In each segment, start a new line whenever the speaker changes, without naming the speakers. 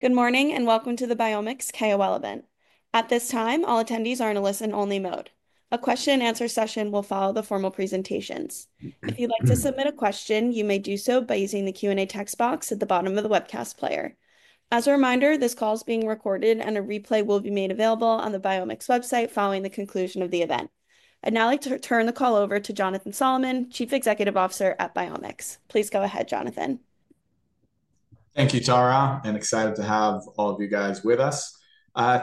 Good morning and welcome to the BiomX KOL Event. At this time, all attendees are in a listen-only mode. A question-and-answer session will follow the formal presentations. If you'd like to submit a question, you may do so by using the Q&A text box at the bottom of the webcast player. As a reminder, this call is being recorded, and a replay will be made available on the BiomX website following the conclusion of the event. I'd now like to turn the call over to Jonathan Solomon, Chief Executive Officer at BiomX. Please go ahead, Jonathan.
Thank you, Tara. I'm excited to have all of you guys with us.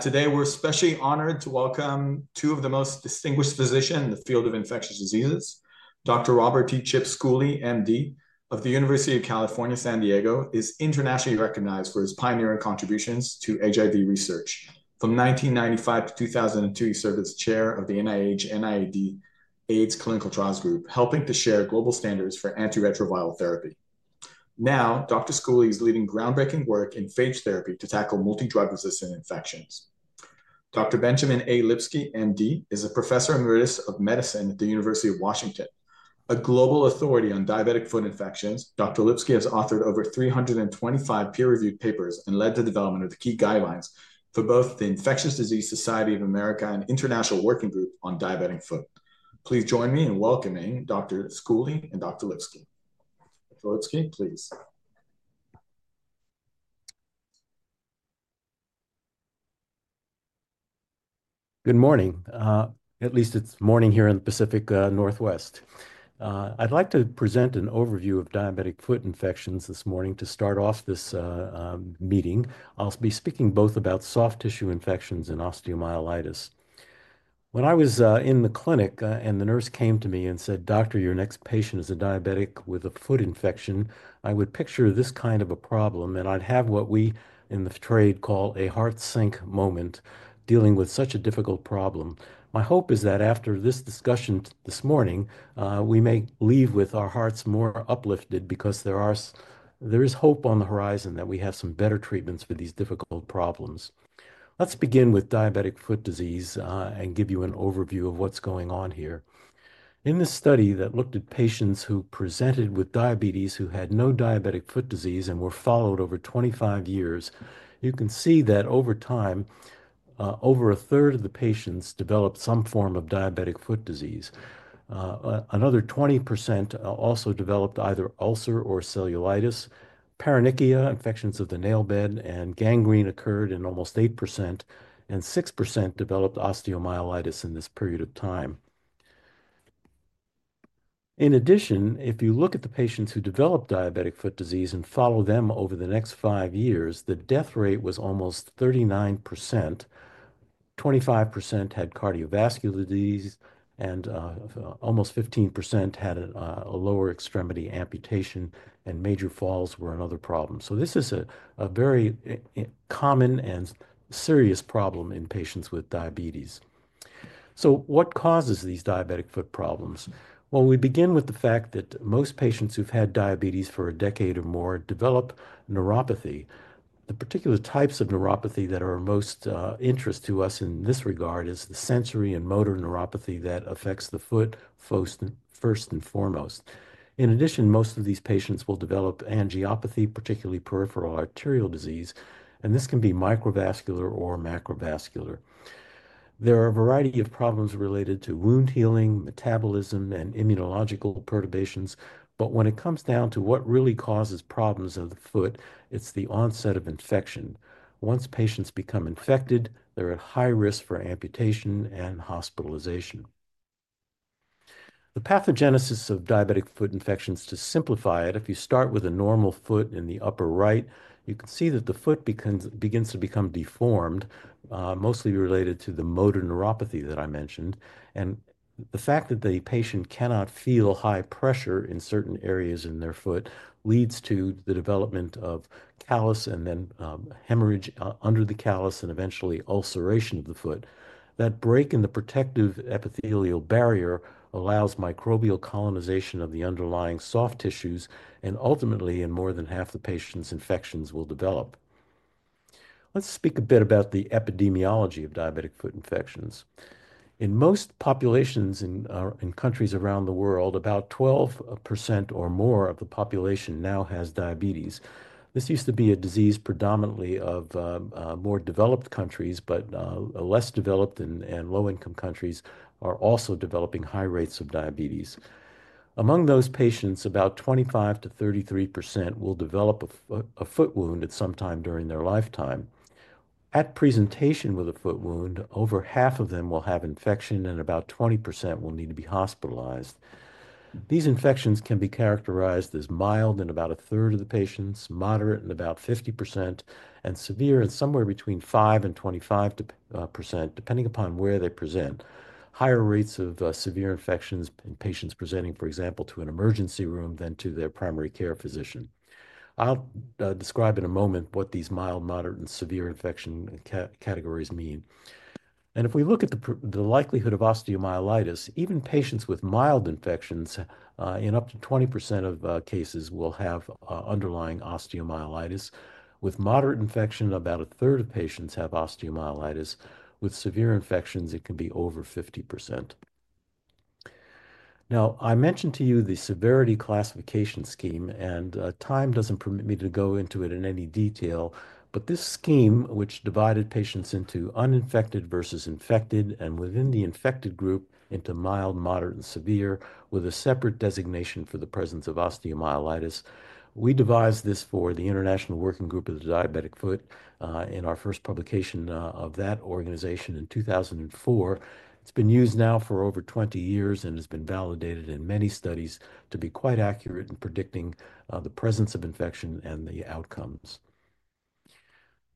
Today, we're especially honored to welcome two of the most distinguished physicians in the field of infectious diseases. Dr. Robert T. "Chip" Schooley, M.D., of the University of California, San Diego, is internationally recognized for his pioneering contributions to HIV Research. From 1995 to 2002, he served as chair of the NIH NIAID AIDS Clinical Trials Group, helping to share global standards for antiretroviral therapy. Now, Dr. Schooley is leading groundbreaking work in phage therapy to tackle multi-drug-resistant infections. Dr. Benjamin A. Lipsky, M.D., is a Professor Emeritus of Medicine at the University of Washington, a global authority on diabetic foot infections. Dr. Lipsky has authored over 325 peer-reviewed papers and led the development of the key guidelines for both the Infectious Diseases Society of America and International Working Group on the Diabetic Foot. Please join me in welcoming Dr. Schooley and Dr. Lipsky. Dr. Lipsky, please.
Good morning. At least it's morning here in the Pacific Northwest. I'd like to present an overview of diabetic foot infections this morning to start off this meeting. I'll be speaking both about soft tissue infections and osteomyelitis. When I was in the clinic and the nurse came to me and said, "Doctor, your next patient is a diabetic with a foot infection," I would picture this kind of a problem, and I'd have what we in the trade call a heart-sync moment dealing with such a difficult problem. My hope is that after this discussion this morning, we may leave with our hearts more uplifted because there is hope on the horizon that we have some better treatments for these difficult problems. Let's begin with diabetic foot disease and give you an overview of what's going on here. In this study that looked at patients who presented with diabetes who had no diabetic foot disease and were followed over 25 years, you can see that over time, over a third of the patients developed some form of diabetic foot disease. Another 20% also developed either ulcer or cellulitis. Paronychia, infections of the nail bed and gangrene occurred in almost 8%, and 6% developed osteomyelitis in this period of time. In addition, if you look at the patients who developed diabetic foot disease and follow them over the next five years, the death rate was almost 39%. 25% had cardiovascular disease, and almost 15% had a lower extremity amputation, and major falls were another problem. This is a very common and serious problem in patients with diabetes. What causes these diabetic foot problems? We begin with the fact that most patients who've had diabetes for a decade or more develop neuropathy. The particular types of neuropathy that are of most interest to us in this regard are the sensory and motor neuropathy that affects the foot first and foremost. In addition, most of these patients will develop angiopathy, particularly peripheral arterial disease, and this can be microvascular or macrovascular. There are a variety of problems related to wound healing, metabolism, and immunological perturbations, but when it comes down to what really causes problems of the foot, it's the onset of infection. Once patients become infected, they're at high risk for amputation and hospitalization. The pathogenesis of diabetic foot infections, to simplify it, if you start with a normal foot in the upper right, you can see that the foot begins to become deformed, mostly related to the motor neuropathy that I mentioned. The fact that the patient cannot feel high pressure in certain areas in their foot leads to the development of callus and then hemorrhage under the callus and eventually ulceration of the foot. That break in the protective epithelial barrier allows microbial colonization of the underlying soft tissues, and ultimately, in more than half the patients, infections will develop. Let's speak a bit about the epidemiology of diabetic foot infections. In most populations in countries around the world, about 12% or more of the population now has diabetes. This used to be a disease predominantly of more developed countries, but less developed and low-income countries are also developing high rates of diabetes. Among those patients, about 25%-33% will develop a foot wound at some time during their lifetime. At presentation with a foot wound, over half of them will have infection, and about 20% will need to be hospitalized. These infections can be characterized as mild in about a third of the patients, moderate in about 50%, and severe in somewhere between 5%-25%, depending upon where they present. Higher rates of severe infections in patients presenting, for example, to an emergency room than to their primary care physician. I'll describe in a moment what these mild, moderate, and severe infection categories mean. If we look at the likelihood of osteomyelitis, even patients with mild infections in up to 20% of cases will have underlying osteomyelitis. With moderate infection, about a third of patients have osteomyelitis. With severe infections, it can be over 50%. Now, I mentioned to you the severity classification scheme, and time does not permit me to go into it in any detail, but this scheme, which divided patients into uninfected versus infected and within the infected group into mild, moderate, and severe, with a separate designation for the presence of osteomyelitis, we devised this for the International Working Group on the Diabetic Foot in our first publication of that organization in 2004. It has been used now for over 20 years and has been validated in many studies to be quite accurate in predicting the presence of infection and the outcomes.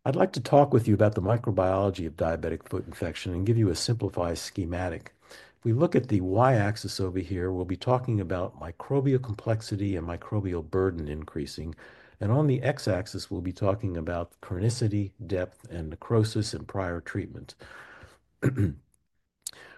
I would like to talk with you about the microbiology of diabetic foot infection and give you a simplified schematic. If we look at the Y-axis over here, we will be talking about microbial complexity and microbial burden increasing. On the X-axis, we'll be talking about chronicity, depth, and necrosis and prior treatment.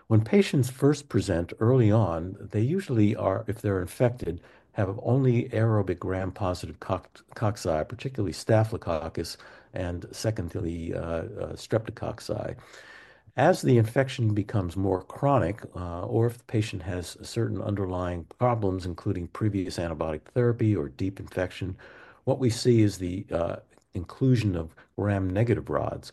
When patients first present early on, they usually, if they're infected, have only aerobic gram-positive cocci, particularly Staphylococcus and secondary Streptococcus. As the infection becomes more chronic, or if the patient has certain underlying problems, including previous antibiotic therapy or deep infection, what we see is the inclusion of gram-negative rods.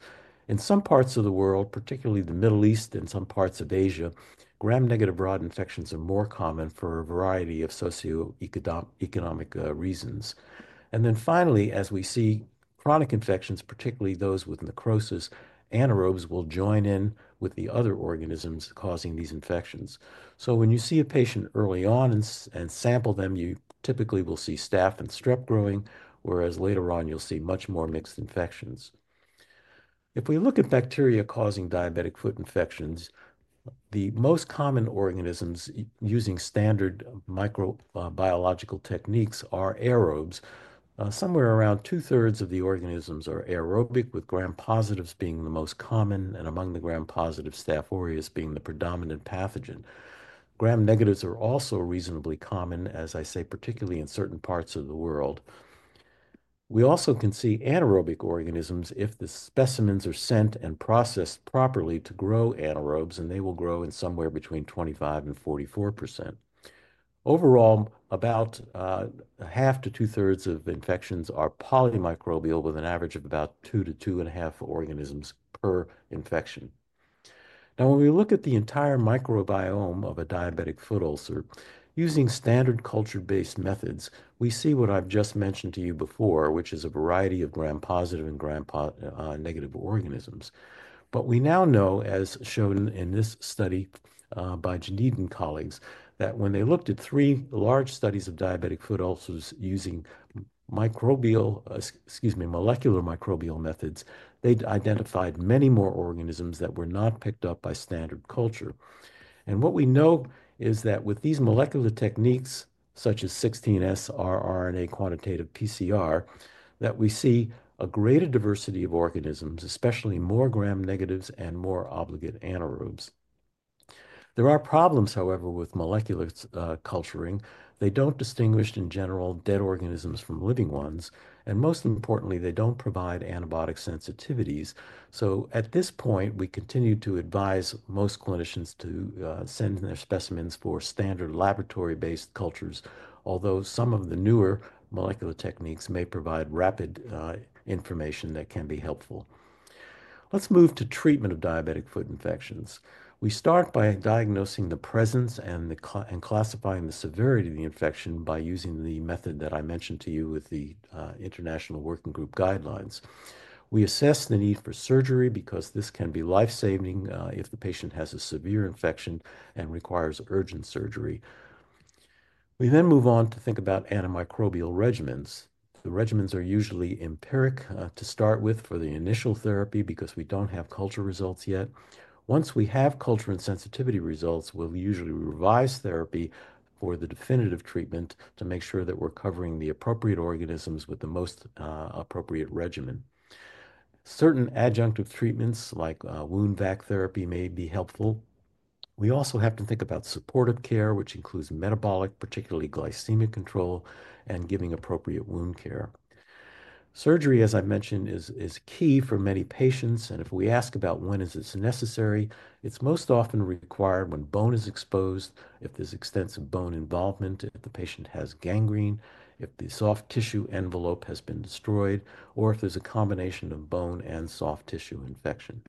In some parts of the world, particularly the Middle East and some parts of Asia, gram-negative rod infections are more common for a variety of socioeconomic reasons. Finally, as we see chronic infections, particularly those with necrosis, anaerobes will join in with the other organisms causing these infections. When you see a patient early on and sample them, you typically will see Staph and Strep growing, whereas later on, you'll see much more mixed infections. If we look at bacteria causing Diabetic Foot Infections, the most common organisms using standard microbiological techniques are aerobes. Somewhere around two-thirds of the organisms are aerobic, with gram-positives being the most common and among the gram-positive Staph aureus being the predominant pathogen. Gram-negatives are also reasonably common, as I say, particularly in certain parts of the world. We also can see anaerobic organisms if the specimens are sent and processed properly to grow anaerobes, and they will grow in somewhere between 25%-44%. Overall, about half to two-thirds of infections are polymicrobial with an average of about two to two-and-a-half organisms per infection. Now, when we look at the entire microbiome of a diabetic foot ulcer, using standard culture-based methods, we see what I've just mentioned to you before, which is a variety of gram-positive and gram-negative organisms. We now know, as shown in this study by Janeed and colleagues, that when they looked at three large studies of diabetic foot ulcers using molecular microbial methods, they identified many more organisms that were not picked up by standard culture. What we know is that with these molecular techniques, such as 16S rRNA quantitative PCR, we see a greater diversity of organisms, especially more gram-negatives and more obligate anaerobes. There are problems, however, with molecular culturing. They do not distinguish, in general, dead organisms from living ones. Most importantly, they do not provide antibiotic sensitivities. At this point, we continue to advise most clinicians to send their specimens for standard laboratory-based cultures, although some of the newer molecular techniques may provide rapid information that can be helpful. Let's move to treatment of diabetic foot infections. We start by diagnosing the presence and classifying the severity of the infection by using the method that I mentioned to you with the International Working Group Guidelines. We assess the need for surgery because this can be lifesaving if the patient has a severe infection and requires urgent surgery. We then move on to think about antimicrobial regimens. The regimens are usually empiric to start with for the initial therapy because we don't have culture results yet. Once we have culture and sensitivity results, we'll usually revise therapy for the definitive treatment to make sure that we're covering the appropriate organisms with the most appropriate regimen. Certain adjunctive treatments like wound VAC therapy may be helpful. We also have to think about supportive care, which includes metabolic, particularly glycemic control, and giving appropriate wound care. Surgery, as I mentioned, is key for many patients. If we ask about when it's necessary, it's most often required when bone is exposed, if there's extensive bone involvement, if the patient has gangrene, if the soft tissue envelope has been destroyed, or if there's a combination of bone and soft tissue infection.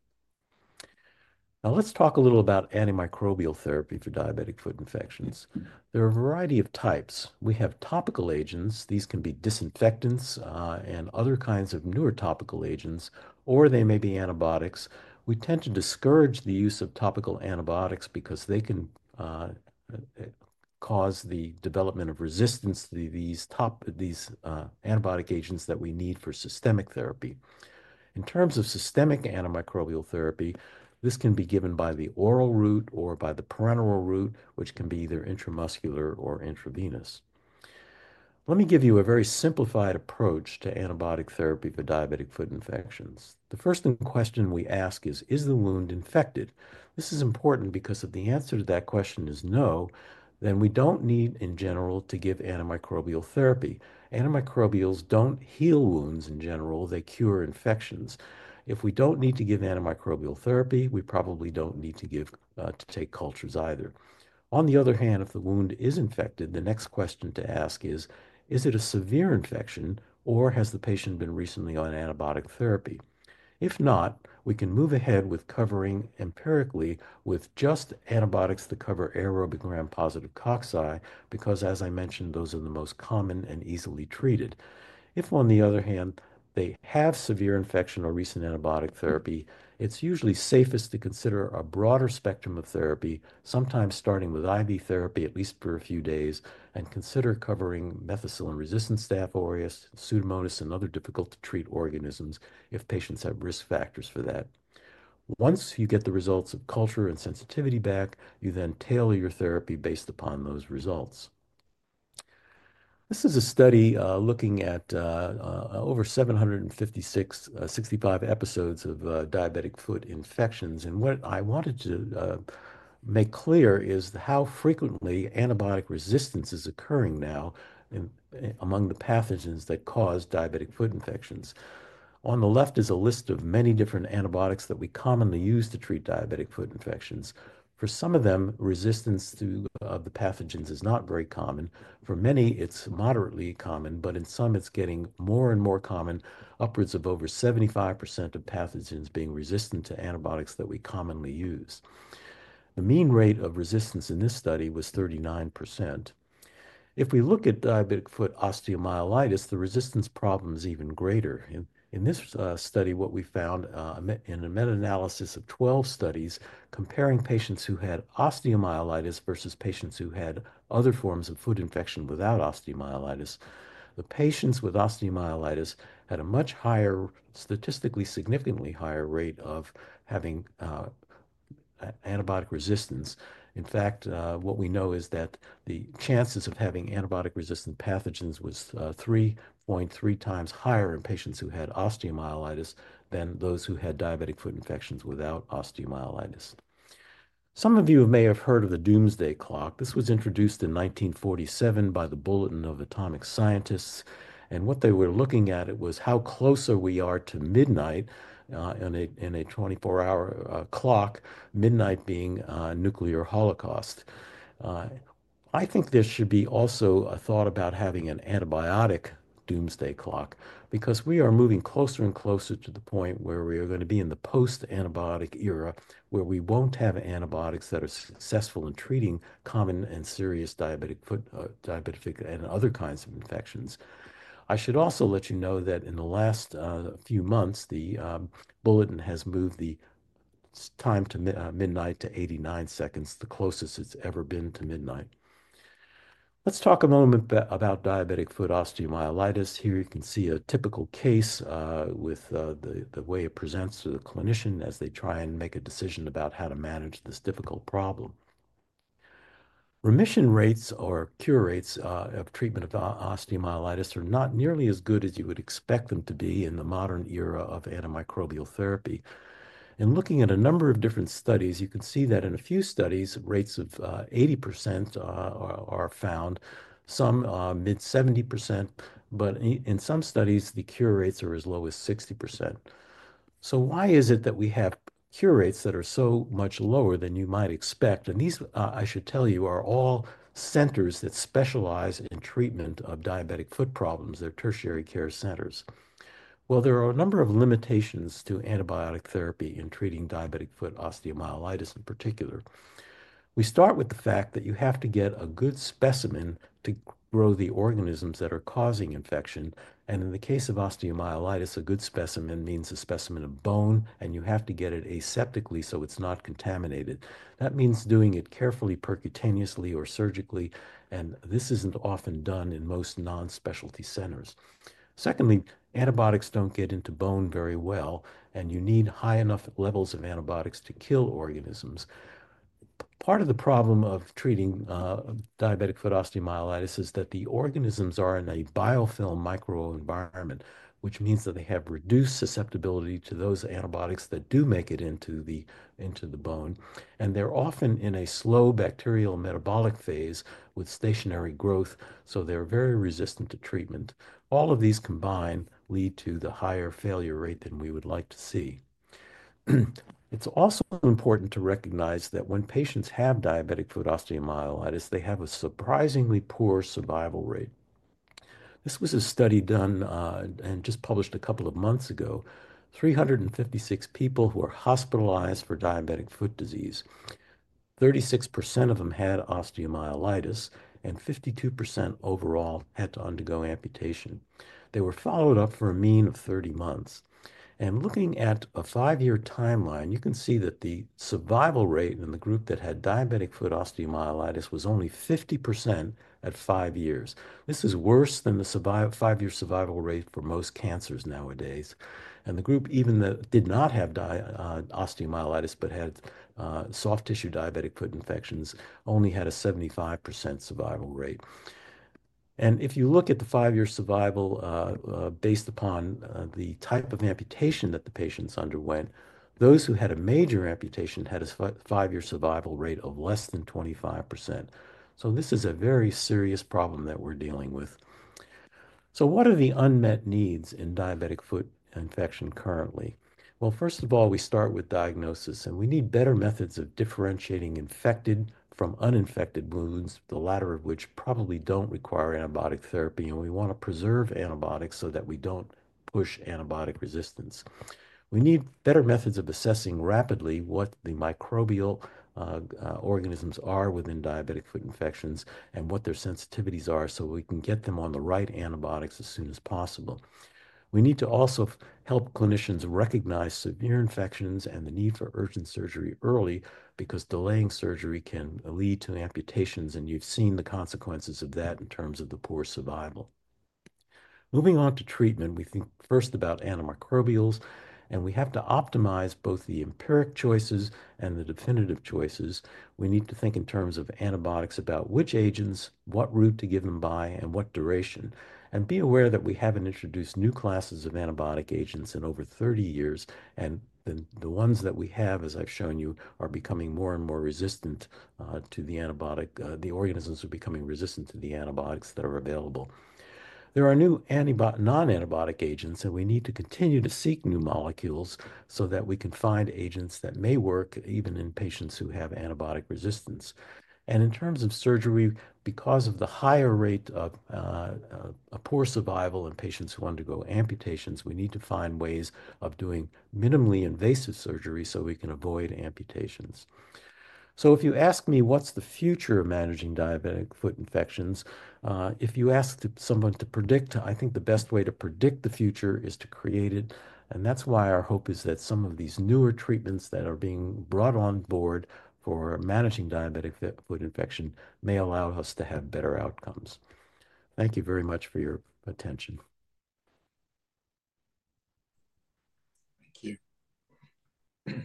Now, let's talk a little about antimicrobial therapy for diabetic foot infections. There are a variety of types. We have topical agents. These can be disinfectants and other kinds of newer topical agents, or they may be antibiotics. We tend to discourage the use of topical antibiotics because they can cause the development of resistance to these antibiotic agents that we need for systemic therapy. In terms of systemic antimicrobial therapy, this can be given by the oral route or by the parenteral route, which can be either intramuscular or intravenous. Let me give you a very simplified approach to antibiotic therapy for diabetic foot infections. The first question we ask is, is the wound infected? This is important because if the answer to that question is no, then we don't need, in general, to give antimicrobial therapy. Antimicrobials don't heal wounds in general. They cure infections. If we don't need to give antimicrobial therapy, we probably don't need to take cultures either. On the other hand, if the wound is infected, the next question to ask is, is it a severe infection, or has the patient been recently on antibiotic therapy? If not, we can move ahead with covering empirically with just antibiotics to cover aerobic gram-positive cocci, because, as I mentioned, those are the most common and easily treated. If, on the other hand, they have severe infection or recent antibiotic therapy, it's usually safest to consider a broader spectrum of therapy, sometimes starting with IV therapy at least for a few days, and consider covering methicillin-resistant Staphylococcus Aureus, Pseudomonas, and other difficult-to-treat organisms if patients have risk factors for that. Once you get the results of culture and sensitivity back, you then tailor your therapy based upon those results. This is a study looking at over 756,065 episodes of diabetic foot infections. What I wanted to make clear is how frequently antibiotic resistance is occurring now among the pathogens that cause diabetic foot infections. On the left is a list of many different antibiotics that we commonly use to treat diabetic foot infections. For some of them, resistance to the pathogens is not very common. For many, it's moderately common, but in some, it's getting more and more common, upwards of over 75% of pathogens being resistant to antibiotics that we commonly use. The mean rate of resistance in this study was 39%. If we look at diabetic foot osteomyelitis, the resistance problem is even greater. In this study, what we found in a meta-analysis of 12 studies comparing patients who had osteomyelitis versus patients who had other forms of foot infection without osteomyelitis, the patients with osteomyelitis had a much higher, statistically significantly higher rate of having antibiotic resistance. In fact, what we know is that the chances of having antibiotic-resistant pathogens was 3.3 times higher in patients who had osteomyelitis than those who had diabetic foot infections without osteomyelitis. Some of you may have heard of the doomsday clock. This was introduced in 1947 by the Bulletin of Atomic Scientists. What they were looking at was how close we are to midnight in a 24-hour clock, midnight being nuclear holocaust. I think there should be also a thought about having an antibiotic doomsday clock because we are moving closer and closer to the point where we are going to be in the Post-antibiotic Era, where we won't have antibiotics that are successful in treating common and serious diabetic foot, diabetic, and other kinds of infections. I should also let you know that in the last few months, the bulletin has moved the time to midnight to 89 seconds, the closest it's ever been to midnight. Let's talk a moment about diabetic foot osteomyelitis. Here you can see a typical case with the way it presents to the clinician as they try and make a decision about how to manage this difficult problem. Remission rates or cure rates of treatment of osteomyelitis are not nearly as good as you would expect them to be in the modern era of antimicrobial therapy. In looking at a number of different studies, you can see that in a few studies, rates of 80% are found, some mid 70%, but in some studies, the cure rates are as low as 60%. Why is it that we have cure rates that are so much lower than you might expect? These, I should tell you, are all centers that specialize in treatment of diabetic foot problems. They are tertiary care centers. There are a number of limitations to antibiotic therapy in treating diabetic foot osteomyelitis in particular. We start with the fact that you have to get a good specimen to grow the organisms that are causing infection. In the case of osteomyelitis, a good specimen means a specimen of bone, and you have to get it aseptically so it's not contaminated. That means doing it carefully percutaneously or surgically. This isn't often done in most non-specialty centers. Secondly, antibiotics don't get into bone very well, and you need high enough levels of antibiotics to kill organisms. Part of the problem of treating diabetic foot osteomyelitis is that the organisms are in a biofilm microenvironment, which means that they have reduced susceptibility to those antibiotics that do make it into the bone. They're often in a slow bacterial metabolic phase with stationary growth, so they're very resistant to treatment. All of these combined lead to the higher failure rate than we would like to see. It's also important to recognize that when patients have diabetic foot osteomyelitis, they have a surprisingly poor survival rate. This was a study done and just published a couple of months ago. 356 people who were hospitalized for diabetic foot disease, 36% of them had osteomyelitis, and 52% overall had to undergo amputation. They were followed up for a mean of 30 months. Looking at a five-year timeline, you can see that the survival rate in the group that had diabetic foot osteomyelitis was only 50% at five years. This is worse than the five-year survival rate for most cancers nowadays. The group even that did not have osteomyelitis but had soft tissue diabetic foot infections only had a 75% survival rate. If you look at the five-year survival based upon the type of amputation that the patients underwent, those who had a major amputation had a five-year survival rate of less than 25%. This is a very serious problem that we're dealing with. What are the unmet needs in diabetic foot infection currently? First of all, we start with diagnosis, and we need better methods of differentiating infected from uninfected wounds, the latter of which probably do not require antibiotic therapy. We want to preserve antibiotics so that we do not push antibiotic resistance. We need better methods of assessing rapidly what the microbial organisms are within diabetic foot infections and what their sensitivities are so we can get them on the right antibiotics as soon as possible. We need to also help clinicians recognize severe infections and the need for urgent surgery early because delaying surgery can lead to amputations, and you have seen the consequences of that in terms of the poor survival. Moving on to treatment, we think first about antimicrobials, and we have to optimize both the empiric choices and the definitive choices. We need to think in terms of antibiotics about which agents, what route to give them by, and what duration. Be aware that we haven't introduced new classes of antibiotic agents in over 30 years, and the ones that we have, as I've shown you, are becoming more and more resistant to the antibiotic. The organisms are becoming resistant to the antibiotics that are available. There are new non-antibiotic agents, and we need to continue to seek new molecules so that we can find agents that may work even in patients who have antibiotic resistance. In terms of surgery, because of the higher rate of poor survival in patients who undergo amputations, we need to find ways of doing minimally invasive surgery so we can avoid amputations. If you ask me what's the future of managing diabetic foot infections, if you ask someone to predict, I think the best way to predict the future is to create it. That's why our hope is that some of these newer treatments that are being brought on board for managing diabetic foot infection may allow us to have better outcomes. Thank you very much for your attention. Thank you.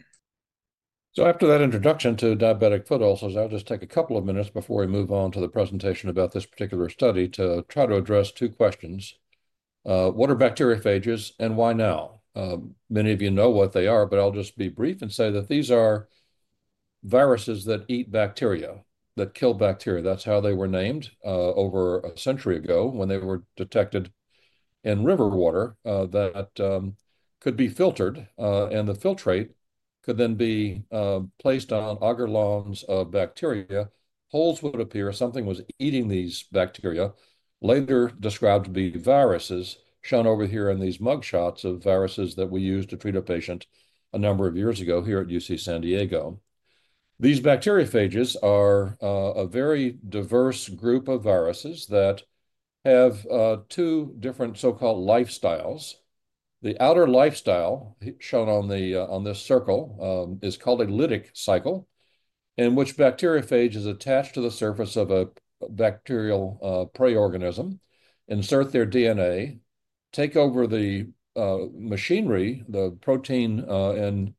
After that introduction to diabetic foot ulcers, I'll just take a couple of minutes before we move on to the presentation about this particular study to try to address two questions. What are bacteriophages and why now? Many of you know what they are, but I'll just be brief and say that these are viruses that eat bacteria, that kill bacteria. That's how they were named over a century ago when they were detected in river water that could be filtered, and the filtrate could then be placed on agar lawns of bacteria. Holes would appear, something was eating these bacteria. Later described to be viruses shown over here in these mug shots of viruses that we used to treat a patient a number of years ago here at UC San Diego. These bacteriophages are a very diverse group of viruses that have two different so-called lifestyles. The outer lifestyle shown on this circle is called a lytic cycle, in which bacteriophage is attached to the surface of a bacterial prey organism, inserts their DNA, takes over the machinery, the protein and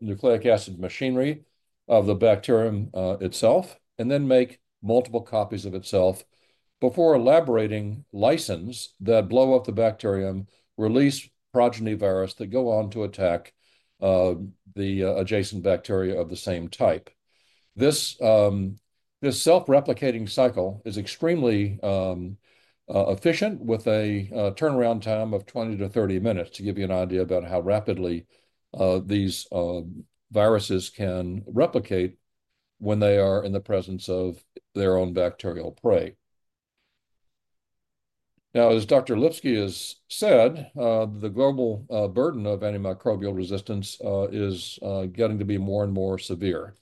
nucleic acid machinery of the bacterium itself, and then makes multiple copies of itself before elaborating lysins that blow up the bacterium, release progeny virus that go on to attack the adjacent bacteria of the same type. This self-replicating cycle is extremely efficient with a turnaround time of 20-30 minutes to give you an idea about how rapidly these viruses can replicate when they are in the presence of their own bacterial prey. Now, as Dr. Lipsky has said, the global burden of antimicrobial resistance is getting to be more and more severe.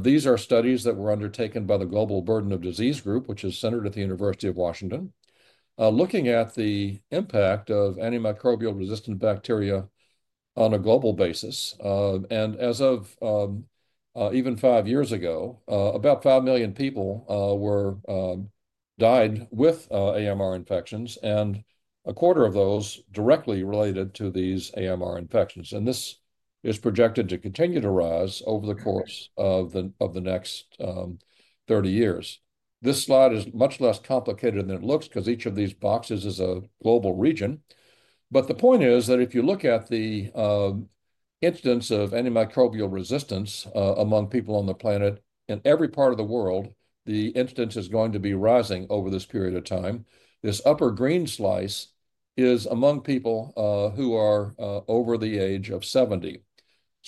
These are studies that were undertaken by the Global Burden of Disease Group, which is centered at the University of Washington, looking at the impact of antimicrobial-resistant bacteria on a global basis. As of even five years ago, about 5 million people died with AMR infections, and a quarter of those directly related to these AMR infections. This is projected to continue to rise over the course of the next 30 years. This slide is much less complicated than it looks because each of these boxes is a global region. The point is that if you look at the incidence of antimicrobial resistance among people on the planet in every part of the world, the incidence is going to be rising over this period of time. This upper green slice is among people who are over the age of 70.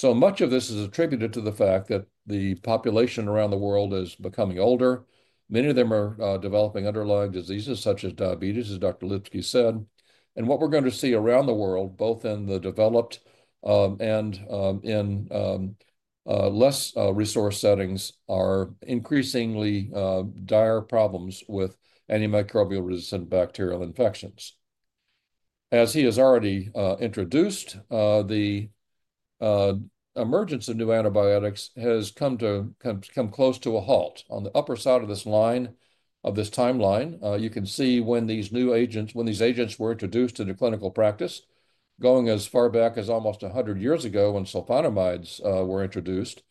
Much of this is attributed to the fact that the population around the world is becoming older. Many of them are developing underlying diseases such as diabetes, as Dr. Lipsky said. What we are going to see around the world, both in the developed and in less resource settings, are increasingly dire problems with antimicrobial-resistant bacterial infections. As he has already introduced, the emergence of new antibiotics has come close to a halt. On the upper side of this line of this timeline, you can see when these new agents, when these agents were introduced into clinical practice, going as far back as almost 100 years ago when sulfonamides were introduced.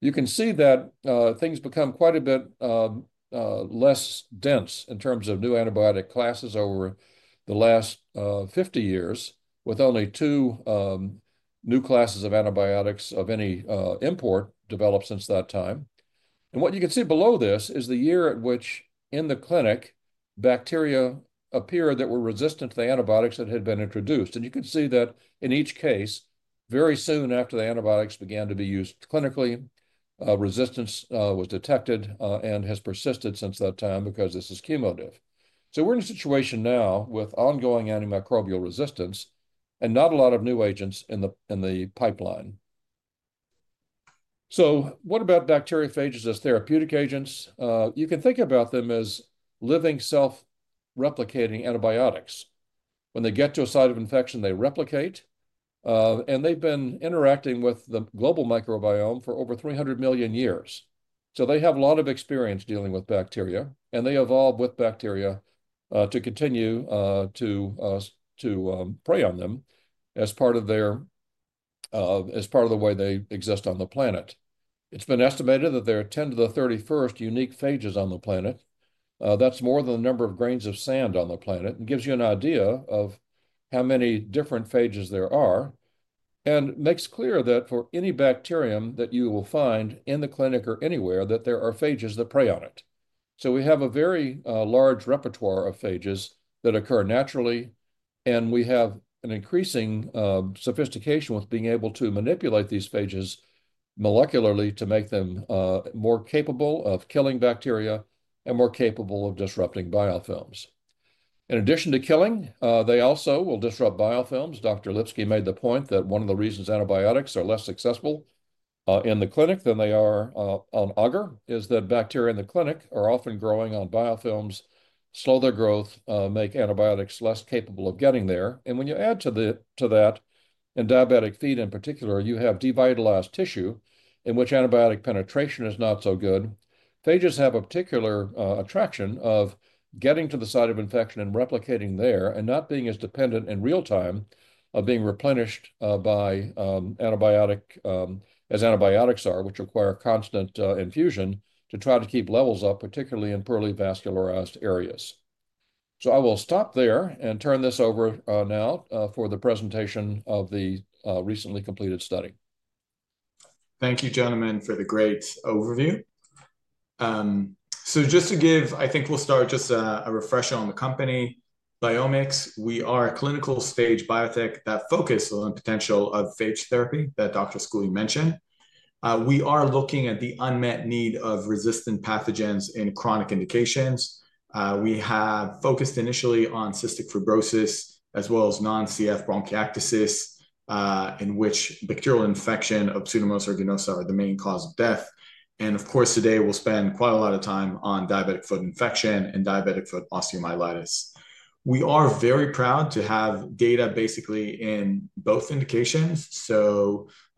You can see that things become quite a bit less dense in terms of new antibiotic classes over the last 50 years, with only two new classes of antibiotics of any import developed since that time. What you can see below this is the year at which in the clinic, bacteria appear that were resistant to the antibiotics that had been introduced. You can see that in each case, very soon after the antibiotics began to be used clinically, resistance was detected and has persisted since that time because this is chemo diff. We are in a situation now with ongoing antimicrobial resistance and not a lot of new agents in the pipeline. What about bacteriophages as therapeutic agents? You can think about them as living self-replicating antibiotics. When they get to a site of infection, they replicate, and they have been interacting with the global microbiome for over 300 million years. They have a lot of experience dealing with bacteria, and they evolve with bacteria to continue to prey on them as part of the way they exist on the planet. It's been estimated that there are 10 to the 31st unique phages on the planet. That's more than the number of grains of sand on the planet and gives you an idea of how many different phages there are and makes clear that for any bacterium that you will find in the clinic or anywhere, there are phages that prey on it. We have a very large repertoire of phages that occur naturally, and we have an increasing sophistication with being able to manipulate these phages molecularly to make them more capable of killing bacteria and more capable of disrupting biofilms. In addition to killing, they also will disrupt biofilms. Dr. Lipsky made the point that one of the reasons antibiotics are less successful in the clinic than they are on agar is that bacteria in the clinic are often growing on biofilms, slow their growth, make antibiotics less capable of getting there. When you add to that, in diabetic feet in particular, you have devitalized tissue in which antibiotic penetration is not so good. Phages have a particular attraction of getting to the site of infection and replicating there and not being as dependent in real time of being replenished by antibiotics as antibiotics are, which require constant infusion to try to keep levels up, particularly in poorly vascularized areas. I will stop there and turn this over now for the presentation of the recently completed study.
Thank you, gentlemen, for the great overview. Just to give, I think we'll start just a refresher on the company BiomX. We are a clinical stage biotech that focuses on the potential of phage therapy that Dr. Schooley mentioned. We are looking at the unmet need of resistant pathogens in chronic indications. We have focused initially on cystic fibrosis as well as non-CF bronchiectasis in which bacterial infection of Pseudomonas aeruginosa are the main cause of death. Of course, today we'll spend quite a lot of time on diabetic foot infection and diabetic foot osteomyelitis. We are very proud to have data basically in both indications.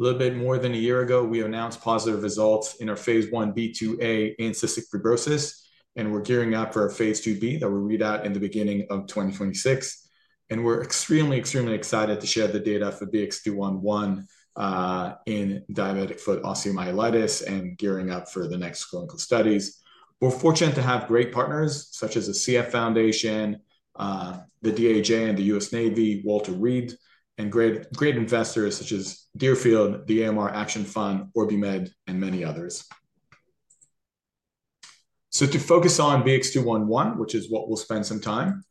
A little bit more than a year ago, we announced positive results in our phase 1b/2a in cystic fibrosis, and we're gearing up for our phase 2b that will read out in the beginning of 2026. We're extremely, extremely excited to share the data for BX211 in diabetic foot osteomyelitis and gearing up for the next clinical studies. We're fortunate to have great partners such as the Cystic Fibrosis Foundation, the DAJ, and the U.S. Navy, Walter Reed, and great investors such as Deerfield, the AMR Action Fund, OrbiMed, and many others. To focus on BX211, which is what we'll spend some time.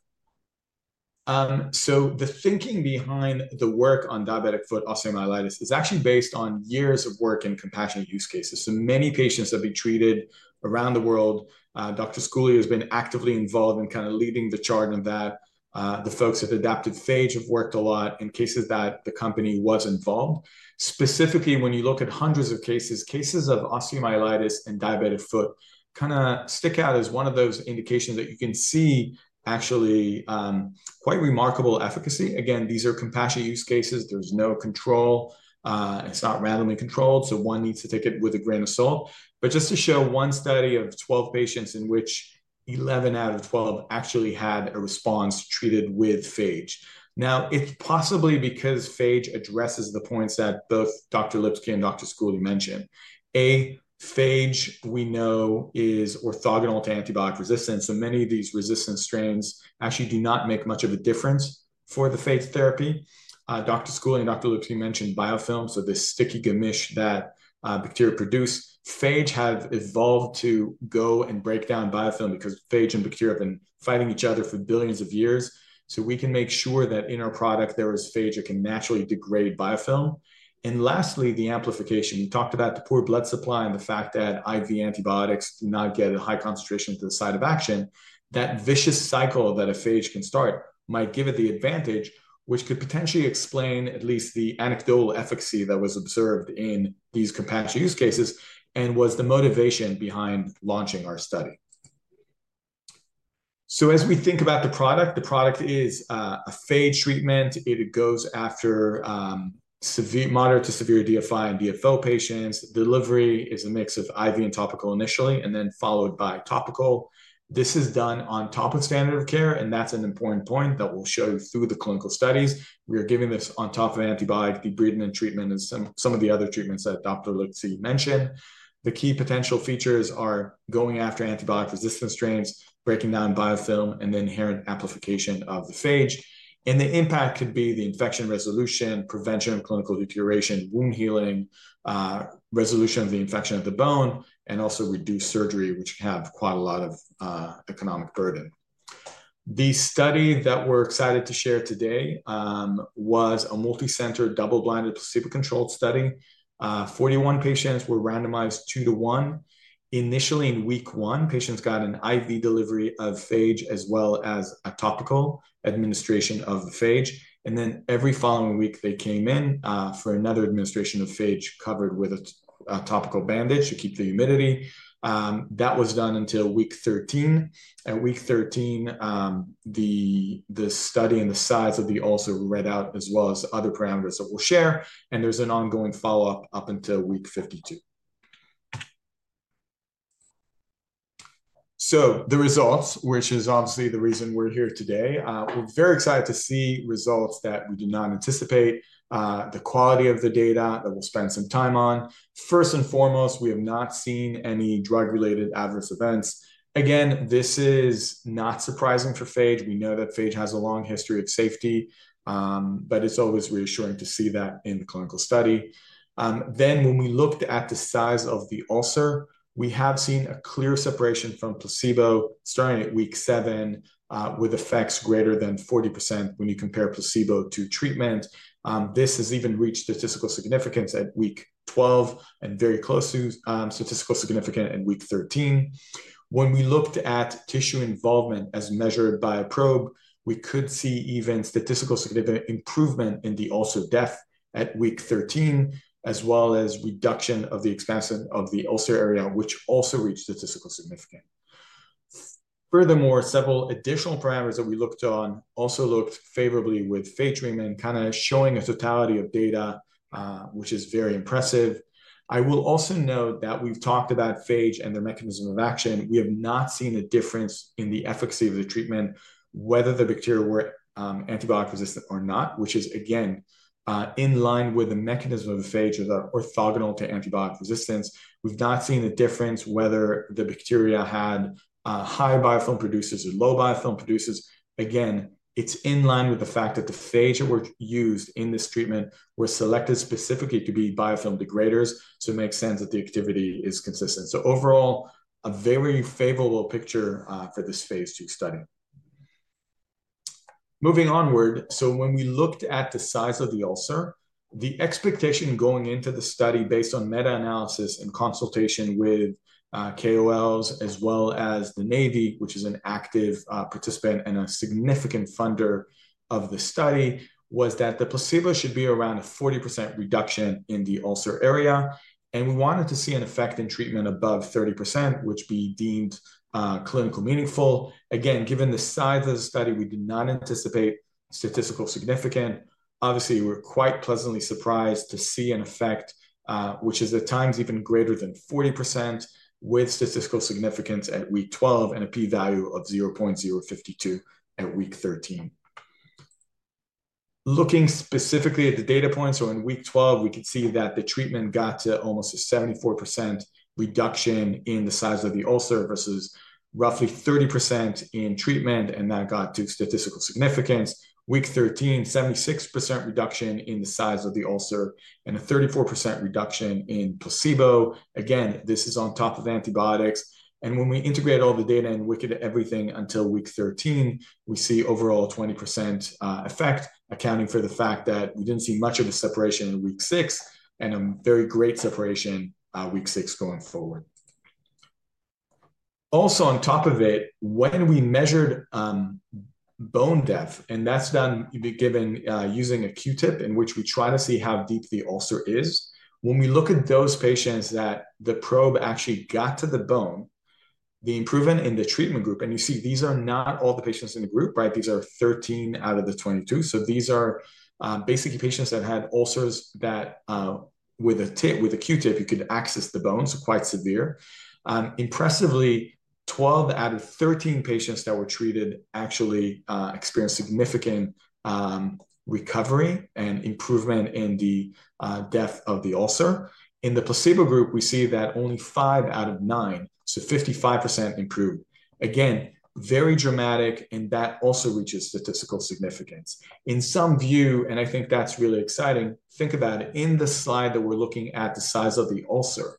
The thinking behind the work on diabetic foot osteomyelitis is actually based on years of work in compassionate use cases. Many patients have been treated around the world. Dr. Schooley has been actively involved in kind of leading the charge in that. The folks at Adaptive Phage Therapeutics have worked a lot in cases that the company was involved. Specifically, when you look at hundreds of cases, cases of osteomyelitis and diabetic foot kind of stick out as one of those indications that you can see actually quite remarkable efficacy. Again, these are compassionate use cases. There is no control. It is not randomly controlled, so one needs to take it with a grain of salt. Just to show one study of 12 patients in which 11 out of 12 actually had a response treated with phage. Now, it is possibly because phage addresses the points that both Dr. Lipsky and Dr. Schooley mentioned. A phage, we know, is orthogonal to antibiotic resistance, so many of these resistant strains actually do not make much of a difference for the phage therapy. Dr. Schooley and Dr. Lipsky mentioned biofilm, so this sticky gimmish that bacteria produce. Phage have evolved to go and break down biofilm because phage and bacteria have been fighting each other for billions of years. We can make sure that in our product, there is phage that can naturally degrade biofilm. Lastly, the amplification. We talked about the poor blood supply and the fact that IV antibiotics do not get a high concentration to the site of action. That vicious cycle that a phage can start might give it the advantage, which could potentially explain at least the anecdotal efficacy that was observed in these compassionate use cases and was the motivation behind launching our study. As we think about the product, the product is a phage treatment. It goes after moderate to severe DFI and DFO patients. Delivery is a mix of IV and topical initially, and then followed by topical. This is done on top of standard of care, and that's an important point that we'll show you through the clinical studies. We are giving this on top of antibiotic debridement treatment and some of the other treatments that Dr. Lipsky mentioned. The key potential features are going after antibiotic-resistant strains, breaking down biofilm, and the inherent amplification of the phage. The impact could be the infection resolution, prevention of clinical deterioration, wound healing, resolution of the infection of the bone, and also reduce surgery, which can have quite a lot of economic burden. The study that we're excited to share today was a multi-center double-blinded placebo-controlled study. Forty-one patients were randomized two to one. Initially, in week one, patients got an IV delivery of phage as well as a topical administration of the phage. Every following week, they came in for another administration of phage covered with a topical bandage to keep the humidity. That was done until week 13. At week 13, the study and the size of the ulcer read out as well as other parameters that we'll share. There is an ongoing follow-up up until week 52. The results, which is obviously the reason we're here today, we're very excited to see results that we did not anticipate. The quality of the data that we'll spend some time on. First and foremost, we have not seen any drug-related adverse events. Again, this is not surprising for phage. We know that phage has a long history of safety, but it's always reassuring to see that in the clinical study. When we looked at the size of the ulcer, we have seen a clear separation from placebo starting at week 7 with effects greater than 40% when you compare placebo to treatment. This has even reached statistical significance at week 12 and very close to statistical significance at week 13. When we looked at tissue involvement as measured by a probe, we could see even statistical significant improvement in the ulcer depth at week 13, as well as reduction of the expansion of the ulcer area, which also reached statistical significance. Furthermore, several additional parameters that we looked on also looked favorably with phage treatment, kind of showing a totality of data, which is very impressive. I will also note that we've talked about phage and their mechanism of action. We have not seen a difference in the efficacy of the treatment, whether the bacteria were antibiotic-resistant or not, which is, again, in line with the mechanism of phage that are orthogonal to antibiotic resistance. We've not seen a difference whether the bacteria had high biofilm producers or low biofilm producers. Again, it's in line with the fact that the phage that were used in this treatment were selected specifically to be biofilm degraders, so it makes sense that the activity is consistent. Overall, a very favorable picture for this phase 2 study. Moving onward, when we looked at the size of the ulcer, the expectation going into the study based on meta-analysis and consultation with KOLs as well as the Navy, which is an active participant and a significant funder of the study, was that the placebo should be around a 40% reduction in the ulcer area. We wanted to see an effect in treatment above 30%, which we deemed clinically meaningful. Again, given the size of the study, we did not anticipate statistical significance. Obviously, we're quite pleasantly surprised to see an effect, which is at times even greater than 40% with statistical significance at week 12 and a p-value of 0.052 at week 13. Looking specifically at the data points, in week 12, we could see that the treatment got to almost a 74% reduction in the size of the ulcer versus roughly 30% in placebo, and that got to statistical significance. Week 13, 76% reduction in the size of the ulcer and a 34% reduction in placebo. Again, this is on top of antibiotics. When we integrate all the data and look at everything until week 13, we see overall a 20% effect, accounting for the fact that we did not see much of a separation in week 6 and a very great separation week 6 going forward. Also, on top of it, when we measured bone depth, and that is done using a Q-tip in which we try to see how deep the ulcer is, when we look at those patients that the probe actually got to the bone, the improvement in the treatment group, and you see these are not all the patients in the group, right? These are 13 out of the 22. So these are basically patients that had ulcers that with a Q-tip, you could access the bones, quite severe. Impressively, 12 out of 13 patients that were treated actually experienced significant recovery and improvement in the depth of the ulcer. In the placebo group, we see that only 5 out of 9, so 55%, improved. Again, very dramatic, and that also reaches statistical significance. In some view, and I think that's really exciting, think about it. In the slide that we're looking at the size of the ulcer,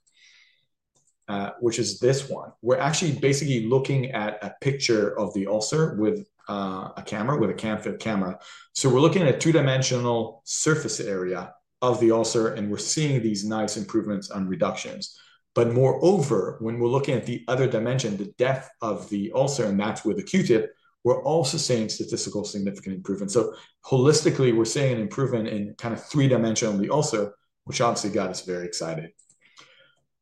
which is this one, we're actually basically looking at a picture of the ulcer with a camera, with a camcam camera. We are looking at a two-dimensional surface area of the ulcer, and we're seeing these nice improvements on reductions. Moreover, when we're looking at the other dimension, the depth of the ulcer, and that's with a Q-tip, we're also seeing statistical significant improvement. Holistically, we're seeing an improvement in kind of three-dimensional ulcer, which obviously got us very excited.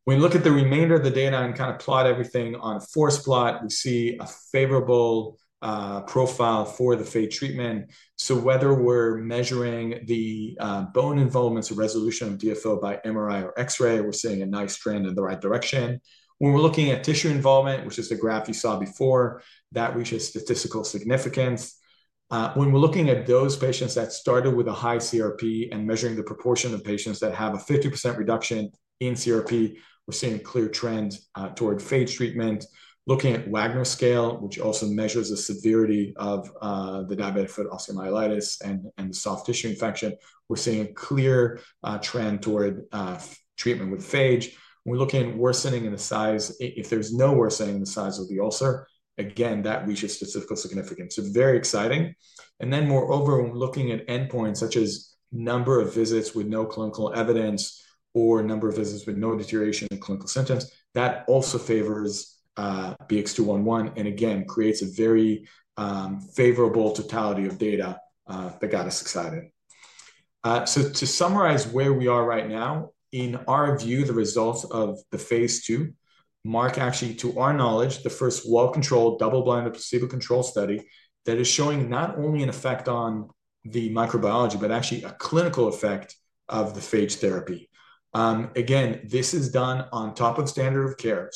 When you look at the remainder of the data and kind of plot everything on a force plot, we see a favorable profile for the phage treatment. Whether we're measuring the bone involvement or resolution of DFO by MRI or X-ray, we're seeing a nice trend in the right direction. When we're looking at tissue involvement, which is the graph you saw before, that reaches statistical significance. When we're looking at those patients that started with a high CRP and measuring the proportion of patients that have a 50% reduction in CRP, we're seeing a clear trend toward phage treatment. Looking at Wagner scale, which also measures the severity of the diabetic foot osteomyelitis and the soft tissue infection, we're seeing a clear trend toward treatment with phage. When we look at worsening in the size, if there's no worsening in the size of the ulcer, again, that reaches statistical significance. Very exciting. Moreover, when we're looking at endpoints such as number of visits with no clinical evidence or number of visits with no deterioration in clinical symptoms, that also favors BX211 and again, creates a very favorable totality of data that got us excited. To summarize where we are right now, in our view, the results of the phase 2 mark actually, to our knowledge, the first well-controlled double-blinded placebo-controlled study that is showing not only an effect on the microbiology, but actually a clinical effect of the phage therapy. Again, this is done on top of standard of care.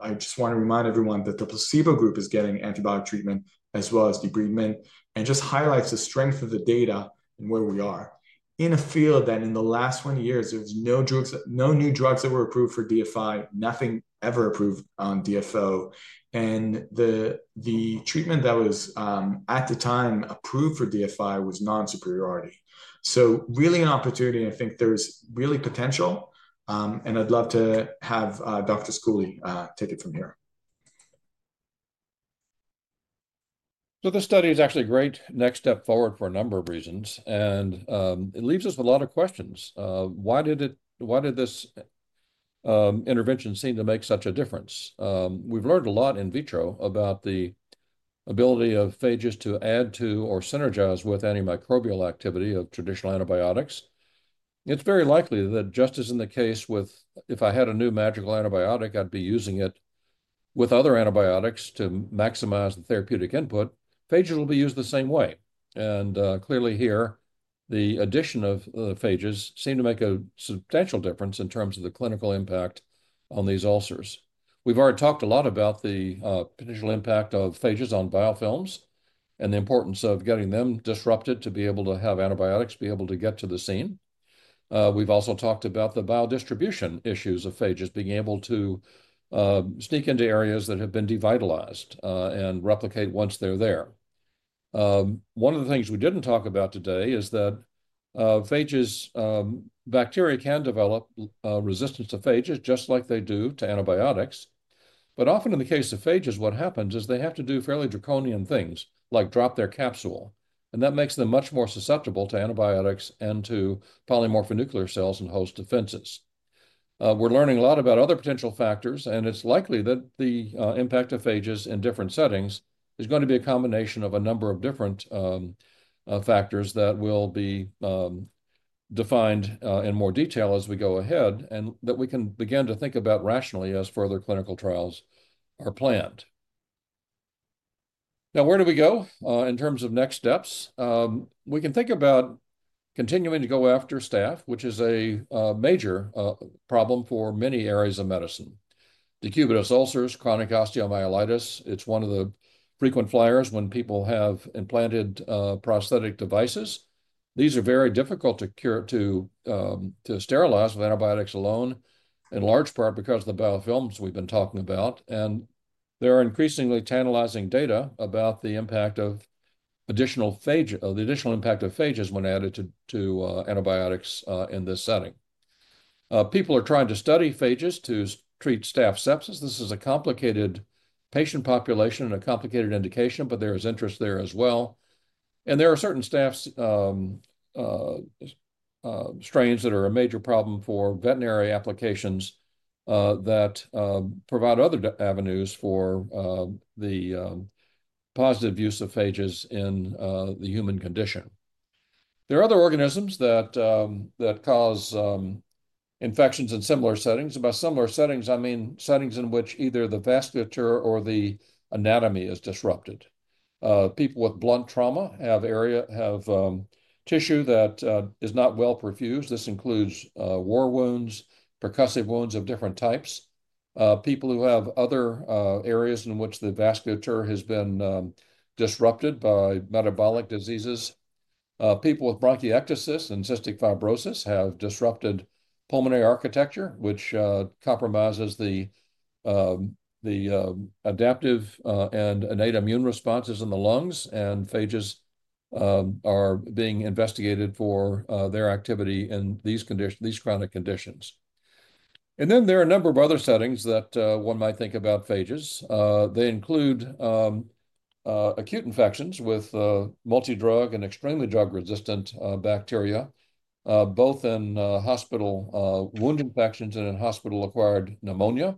I just want to remind everyone that the placebo group is getting antibiotic treatment as well as debridement and just highlights the strength of the data and where we are. In a field that in the last 20 years, there were no new drugs that were approved for DFI, nothing ever approved on DFO. The treatment that was at the time approved for DFI was non-superiority. Really an opportunity, and I think there's really potential, and I'd love to have Dr. Sczhooley take it from here.
This study is actually a great next step forward for a number of reasons, and it leaves us with a lot of questions. Why did this intervention seem to make such a difference? We've learned a lot in vitro about the ability of phages to add to or synergize with antimicrobial activity of traditional antibiotics. It's very likely that just as in the case with if I had a new magical antibiotic, I'd be using it with other antibiotics to maximize the therapeutic input, phages will be used the same way. Clearly here, the addition of the phages seemed to make a substantial difference in terms of the clinical impact on these ulcers. We've already talked a lot about the potential impact of phages on biofilms and the importance of getting them disrupted to be able to have antibiotics be able to get to the scene. We've also talked about the biodistribution issues of phages being able to sneak into areas that have been devitalized and replicate once they're there. One of the things we didn't talk about today is that phages bacteria can develop resistance to phages just like they do to antibiotics. Often in the case of phages, what happens is they have to do fairly draconian things like drop their capsule. That makes them much more susceptible to antibiotics and to polymorphonuclear cells and host defenses. We're learning a lot about other potential factors, and it's likely that the impact of phages in different settings is going to be a combination of a number of different factors that will be defined in more detail as we go ahead and that we can begin to think about rationally as further clinical trials are planned. Now, where do we go in terms of next steps? We can think about continuing to go after staph, which is a major problem for many areas of medicine. Decubitus ulcers, chronic osteomyelitis, it's one of the frequent fliers when people have implanted prosthetic devices. These are very difficult to sterilize with antibiotics alone, in large part because of the biofilms we've been talking about. There are increasingly tantalizing data about the impact of additional phages when added to antibiotics in this setting. People are trying to study phages to treat staph sepsis. This is a complicated patient population and a complicated indication, but there is interest there as well. There are certain staph strains that are a major problem for veterinary applications that provide other avenues for the positive use of phages in the human condition. There are other organisms that cause infections in similar settings. By similar settings, I mean settings in which either the vasculature or the anatomy is disrupted. People with blunt trauma have tissue that is not well perfused. This includes war wounds, percussive wounds of different types. People who have other areas in which the vasculature has been disrupted by metabolic diseases. People with bronchiectasis and cystic fibrosis have disrupted pulmonary architecture, which compromises the adaptive and innate immune responses in the lungs, and phages are being investigated for their activity in these chronic conditions. There are a number of other settings that one might think about phages. They include acute infections with multi-drug and extremely drug-resistant bacteria, both in hospital wound infections and in hospital-acquired pneumonia.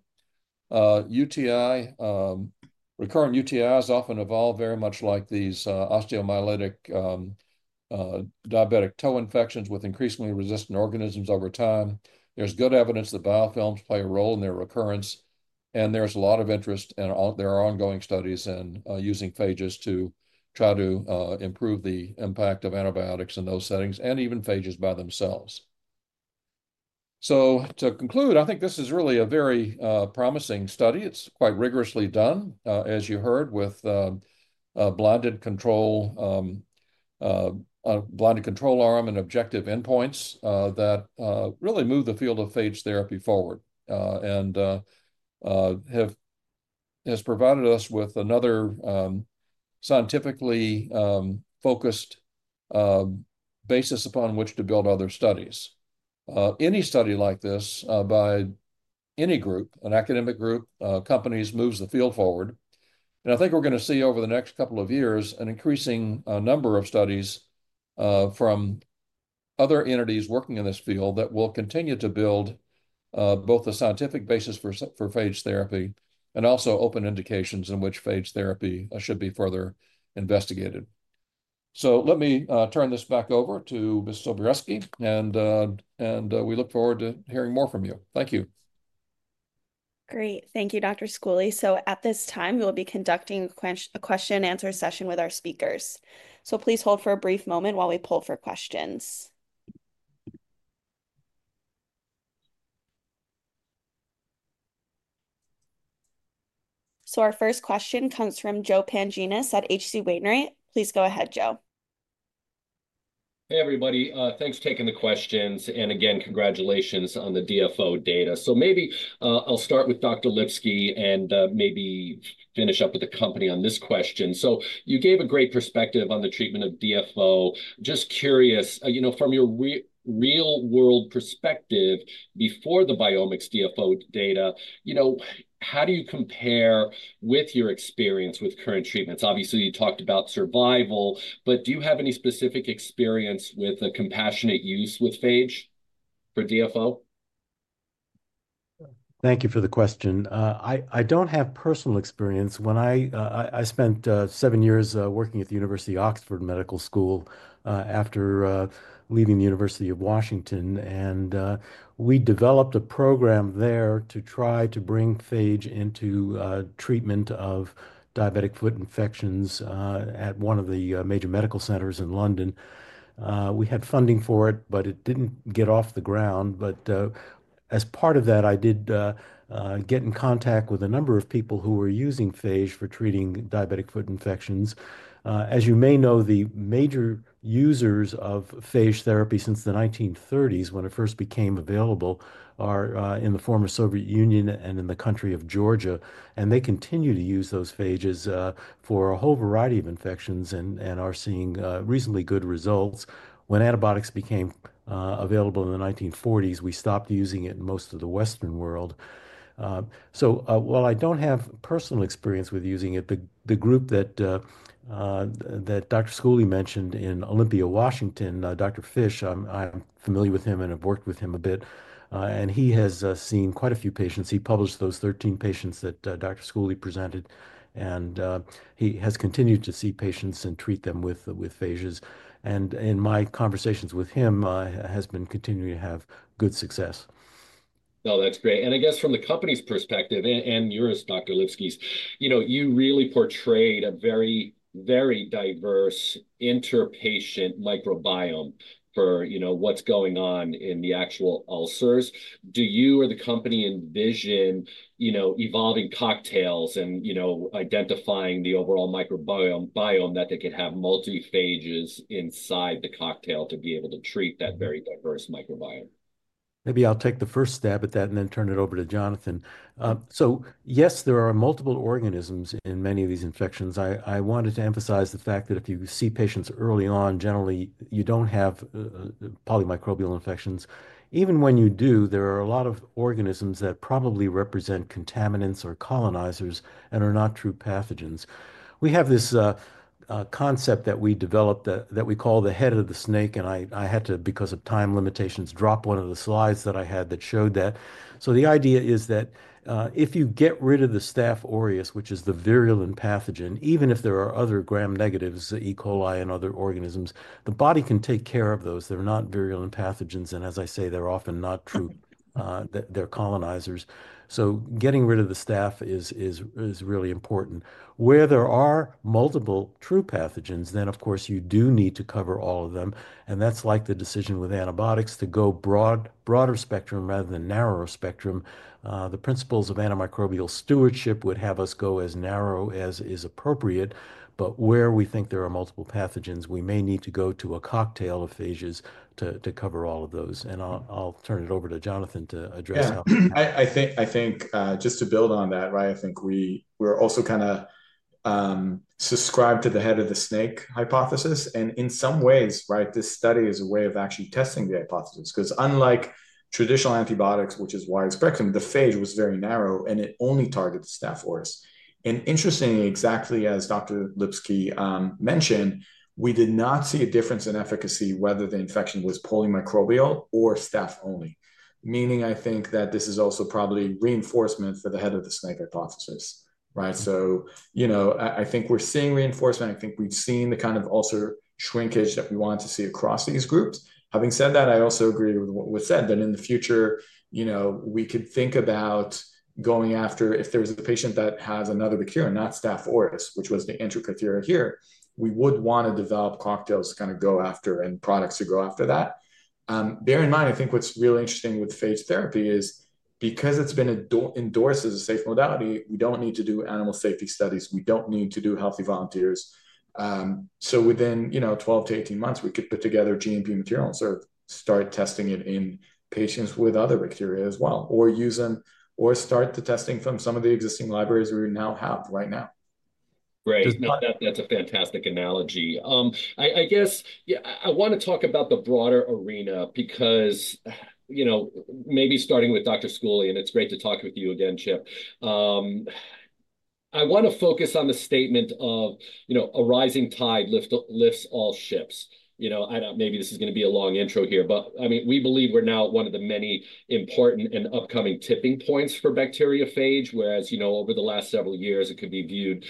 Recurrent UTIs often evolve very much like these osteomyelitic diabetic toe infections with increasingly resistant organisms over time. There is good evidence that biofilms play a role in their recurrence, and there is a lot of interest, and there are ongoing studies in using phages to try to improve the impact of antibiotics in those settings and even phages by themselves. To conclude, I think this is really a very promising study. It's quite rigorously done, as you heard, with a blinded control arm and objective endpoints that really move the field of phage therapy forward and has provided us with another scientifically focused basis upon which to build other studies. Any study like this by any group, an academic group, companies moves the field forward. I think we're going to see over the next couple of years an increasing number of studies from other entities working in this field that will continue to build both a scientific basis for phage therapy and also open indications in which phage therapy should be further investigated. Let me turn this back over to Ms. Beleski, and we look forward to hearing more from you. Thank you.
Great. Thank you, Dr. Schooley. At this time, we will be conducting a question-and-answer session with our speakers. Please hold for a brief moment while we pull for questions. Our first question comes from Joseph Pantginis at HC Wainwright. Please go ahead, Joe.
Hey, everybody. Thanks for taking the questions. Again, congratulations on the DFO data. Maybe I'll start with Dr. Lipsky and maybe finish up with the company on this question. You gave a great perspective on the treatment of DFO. Just curious, from your real-world perspective, before the BiomX DFO data, how do you compare with your experience with current treatments? Obviously, you talked about survival, but do you have any specific experience with the compassionate use with phage for DFO?
Thank you for the question. I don't have personal experience. I spent seven years working at the University of Oxford Medical School after leaving the University of Washington, and we developed a program there to try to bring phage into treatment of diabetic foot infections at one of the major medical centers in London. We had funding for it, but it did not get off the ground. As part of that, I did get in contact with a number of people who were using phage for treating diabetic foot infections. As you may know, the major users of phage therapy since the 1930s, when it first became available, are in the former Soviet Union and in the country of Georgia, and they continue to use those phages for a whole variety of infections and are seeing reasonably good results. When antibiotics became available in the 1940s, we stopped using it in most of the Western world. While I don't have personal experience with using it, the group that Dr. Schooley mentioned in Olympia, Washington, Dr. Fish, I'm familiar with him and have worked with him a bit, and he has seen quite a few patients. He published those 13 patients that Dr. Schooley presented, and he has continued to see patients and treat them with phages. In my conversations with him, he has been continuing to have good success.
No, that's great. I guess from the company's perspective, and yours, Dr. Lipsky's, you really portrayed a very, very diverse interpatient microbiome for what's going on in the actual ulcers. Do you or the company envision evolving cocktails and identifying the overall microbiome that they could have multi-phages inside the cocktail to be able to treat that very diverse microbiome?
Maybe I'll take the first stab at that and then turn it over to Jonathan. Yes, there are multiple organisms in many of these infections. I wanted to emphasize the fact that if you see patients early on, generally, you do not have polymicrobial infections. Even when you do, there are a lot of organisms that probably represent contaminants or colonizers and are not true pathogens. We have this concept that we developed that we call the head of the snake, and I had to, because of time limitations, drop one of the slides that I had that showed that. The idea is that if you get rid of the staph aureus, which is the virulent pathogen, even if there are other gram-negatives, E. coli, and other organisms, the body can take care of those. They are not virulent pathogens. As I say, they are often not true. They are colonizers. Getting rid of the staph is really important. Where there are multiple true pathogens, you do need to cover all of them. That is like the decision with antibiotics to go broader spectrum rather than narrower spectrum. The principles of antimicrobial stewardship would have us go as narrow as is appropriate, but where we think there are multiple pathogens, we may need to go to a cocktail of phages to cover all of those. I'll turn it over to Jonathan to address how.
I think just to build on that, I think we're also kind of subscribed to the head of the snake hypothesis. In some ways, this study is a way of actually testing the hypothesis because unlike traditional antibiotics, which is wide-spectrum, the phage was very narrow, and it only targeted staph aureus. Interestingly, exactly as Dr. Lipsky mentioned, we did not see a difference in efficacy whether the infection was polymicrobial or staph only, meaning I think that this is also probably reinforcement for the head of the snake hypothesis, right? I think we're seeing reinforcement. I think we've seen the kind of ulcer shrinkage that we want to see across these groups. Having said that, I also agree with what was said that in the future, we could think about going after if there's a patient that has another bacteria, not staph aureus, which was the enterocriteria here, we would want to develop cocktails to kind of go after and products to go after that. Bear in mind, I think what's really interesting with phage therapy is because it endorses a safe modality, we don't need to do animal safety studies. We don't need to do healthy volunteers. Within 12 to 18 months, we could put together GMP material and sort of start testing it in patients with other bacteria as well or start the testing from some of the existing libraries we now have right now.
Great. That's a fantastic analogy. I guess I want to talk about the broader arena because maybe starting with Dr. Schooley, and it's great to talk with you again, Chip. I want to focus on the statement of a rising tide lifts all ships. Maybe this is going to be a long intro here, but I mean, we believe we're now at one of the many important and upcoming tipping points for bacteriophage, whereas over the last several years, it could be viewed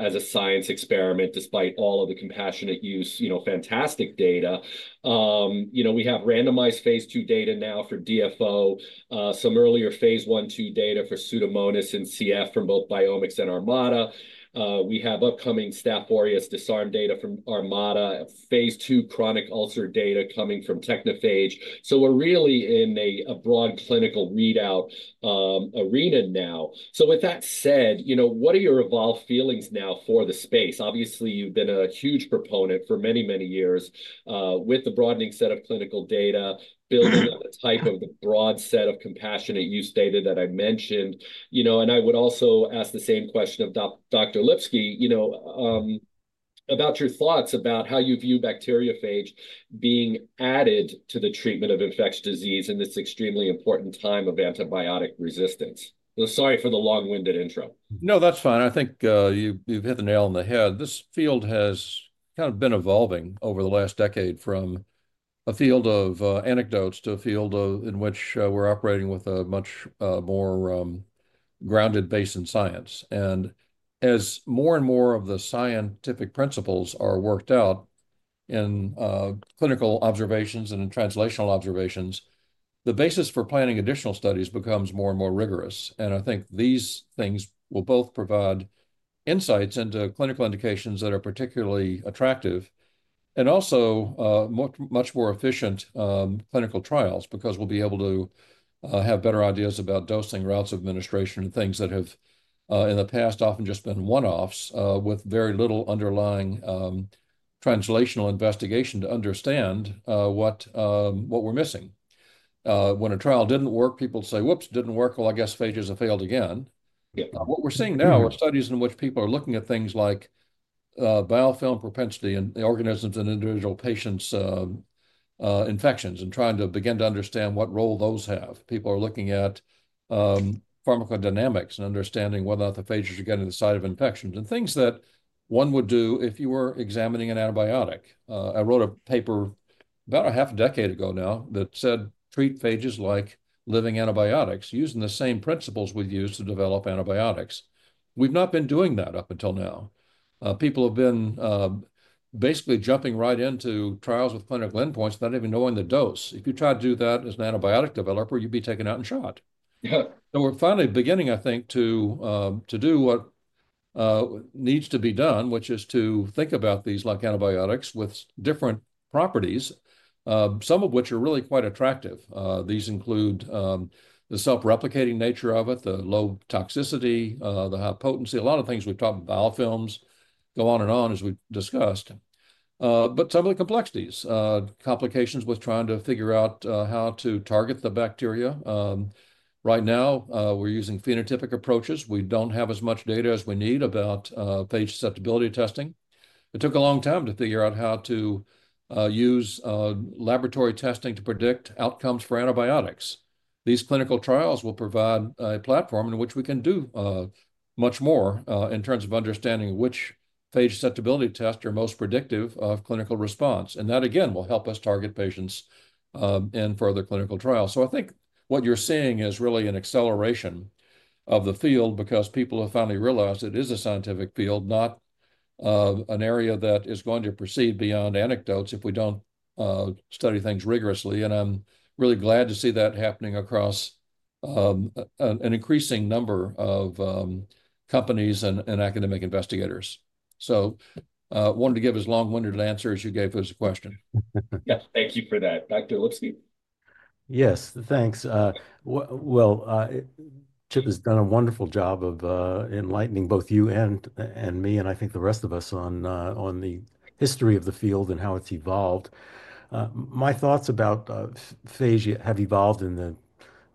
as a science experiment despite all of the compassionate use fantastic data. We have randomized phase two data now for DFO, some earlier phase one two data for Pseudomonas and C.F. from both BiomX and Armada. We have upcoming staph aureus disarm data from Armada, phase two chronic ulcer data coming from TecniPhage. We are really in a broad clinical readout arena now. With that said, what are your evolved feelings now for the space? Obviously, you've been a huge proponent for many, many years with the broadening set of clinical data, building on the type of the broad set of compassionate use data that I mentioned. I would also ask the same question of Dr. Lipsky about your thoughts about how you view bacteria phage being added to the treatment of infectious disease in this extremely important time of antibiotic resistance. Sorry for the long-winded intro.
No, that's fine. I think you've hit the nail on the head. This field has kind of been evolving over the last decade from a field of anecdotes to a field in which we're operating with a much more grounded base in science. As more and more of the scientific principles are worked out in clinical observations and in translational observations, the basis for planning additional studies becomes more and more rigorous. I think these things will both provide insights into clinical indications that are particularly attractive and also much more efficient clinical trials because we'll be able to have better ideas about dosing, routes of administration, and things that have in the past often just been one-offs with very little underlying translational investigation to understand what we're missing. When a trial didn't work, people say, "Whoops, didn't work. I guess phages have failed again." What we're seeing now are studies in which people are looking at things like biofilm propensity and the organisms and individual patients' infections and trying to begin to understand what role those have. People are looking at pharmacodynamics and understanding whether or not the phages are getting the site of infections and things that one would do if you were examining an antibiotic. I wrote a paper about a half a decade ago now that said, "Treat phages like living antibiotics using the same principles we've used to develop antibiotics." We've not been doing that up until now. People have been basically jumping right into trials with clinical endpoints, not even knowing the dose. If you try to do that as an antibiotic developer, you'd be taken out and shot. We're finally beginning, I think, to do what needs to be done, which is to think about these like antibiotics with different properties, some of which are really quite attractive. These include the self-replicating nature of it, the low toxicity, the high potency. A lot of things we've talked about, biofilms, go on and on as we've discussed. Some of the complexities, complications with trying to figure out how to target the bacteria. Right now, we're using phenotypic approaches. We don't have as much data as we need about phage susceptibility testing. It took a long time to figure out how to use laboratory testing to predict outcomes for antibiotics. These clinical trials will provide a platform in which we can do much more in terms of understanding which phage susceptibility tests are most predictive of clinical response. That, again, will help us target patients in further clinical trials. I think what you're seeing is really an acceleration of the field because people have finally realized it is a scientific field, not an area that is going to proceed beyond anecdotes if we don't study things rigorously. I'm really glad to see that happening across an increasing number of companies and academic investigators. I wanted to give as long-winded an answer as you gave as a question.
Yes. Thank you for that.
Dr. Lipsky? Yes, thanks. Chip has done a wonderful job of enlightening both you and me, and I think the rest of us on the history of the field and how it's evolved. My thoughts about phage have evolved in the,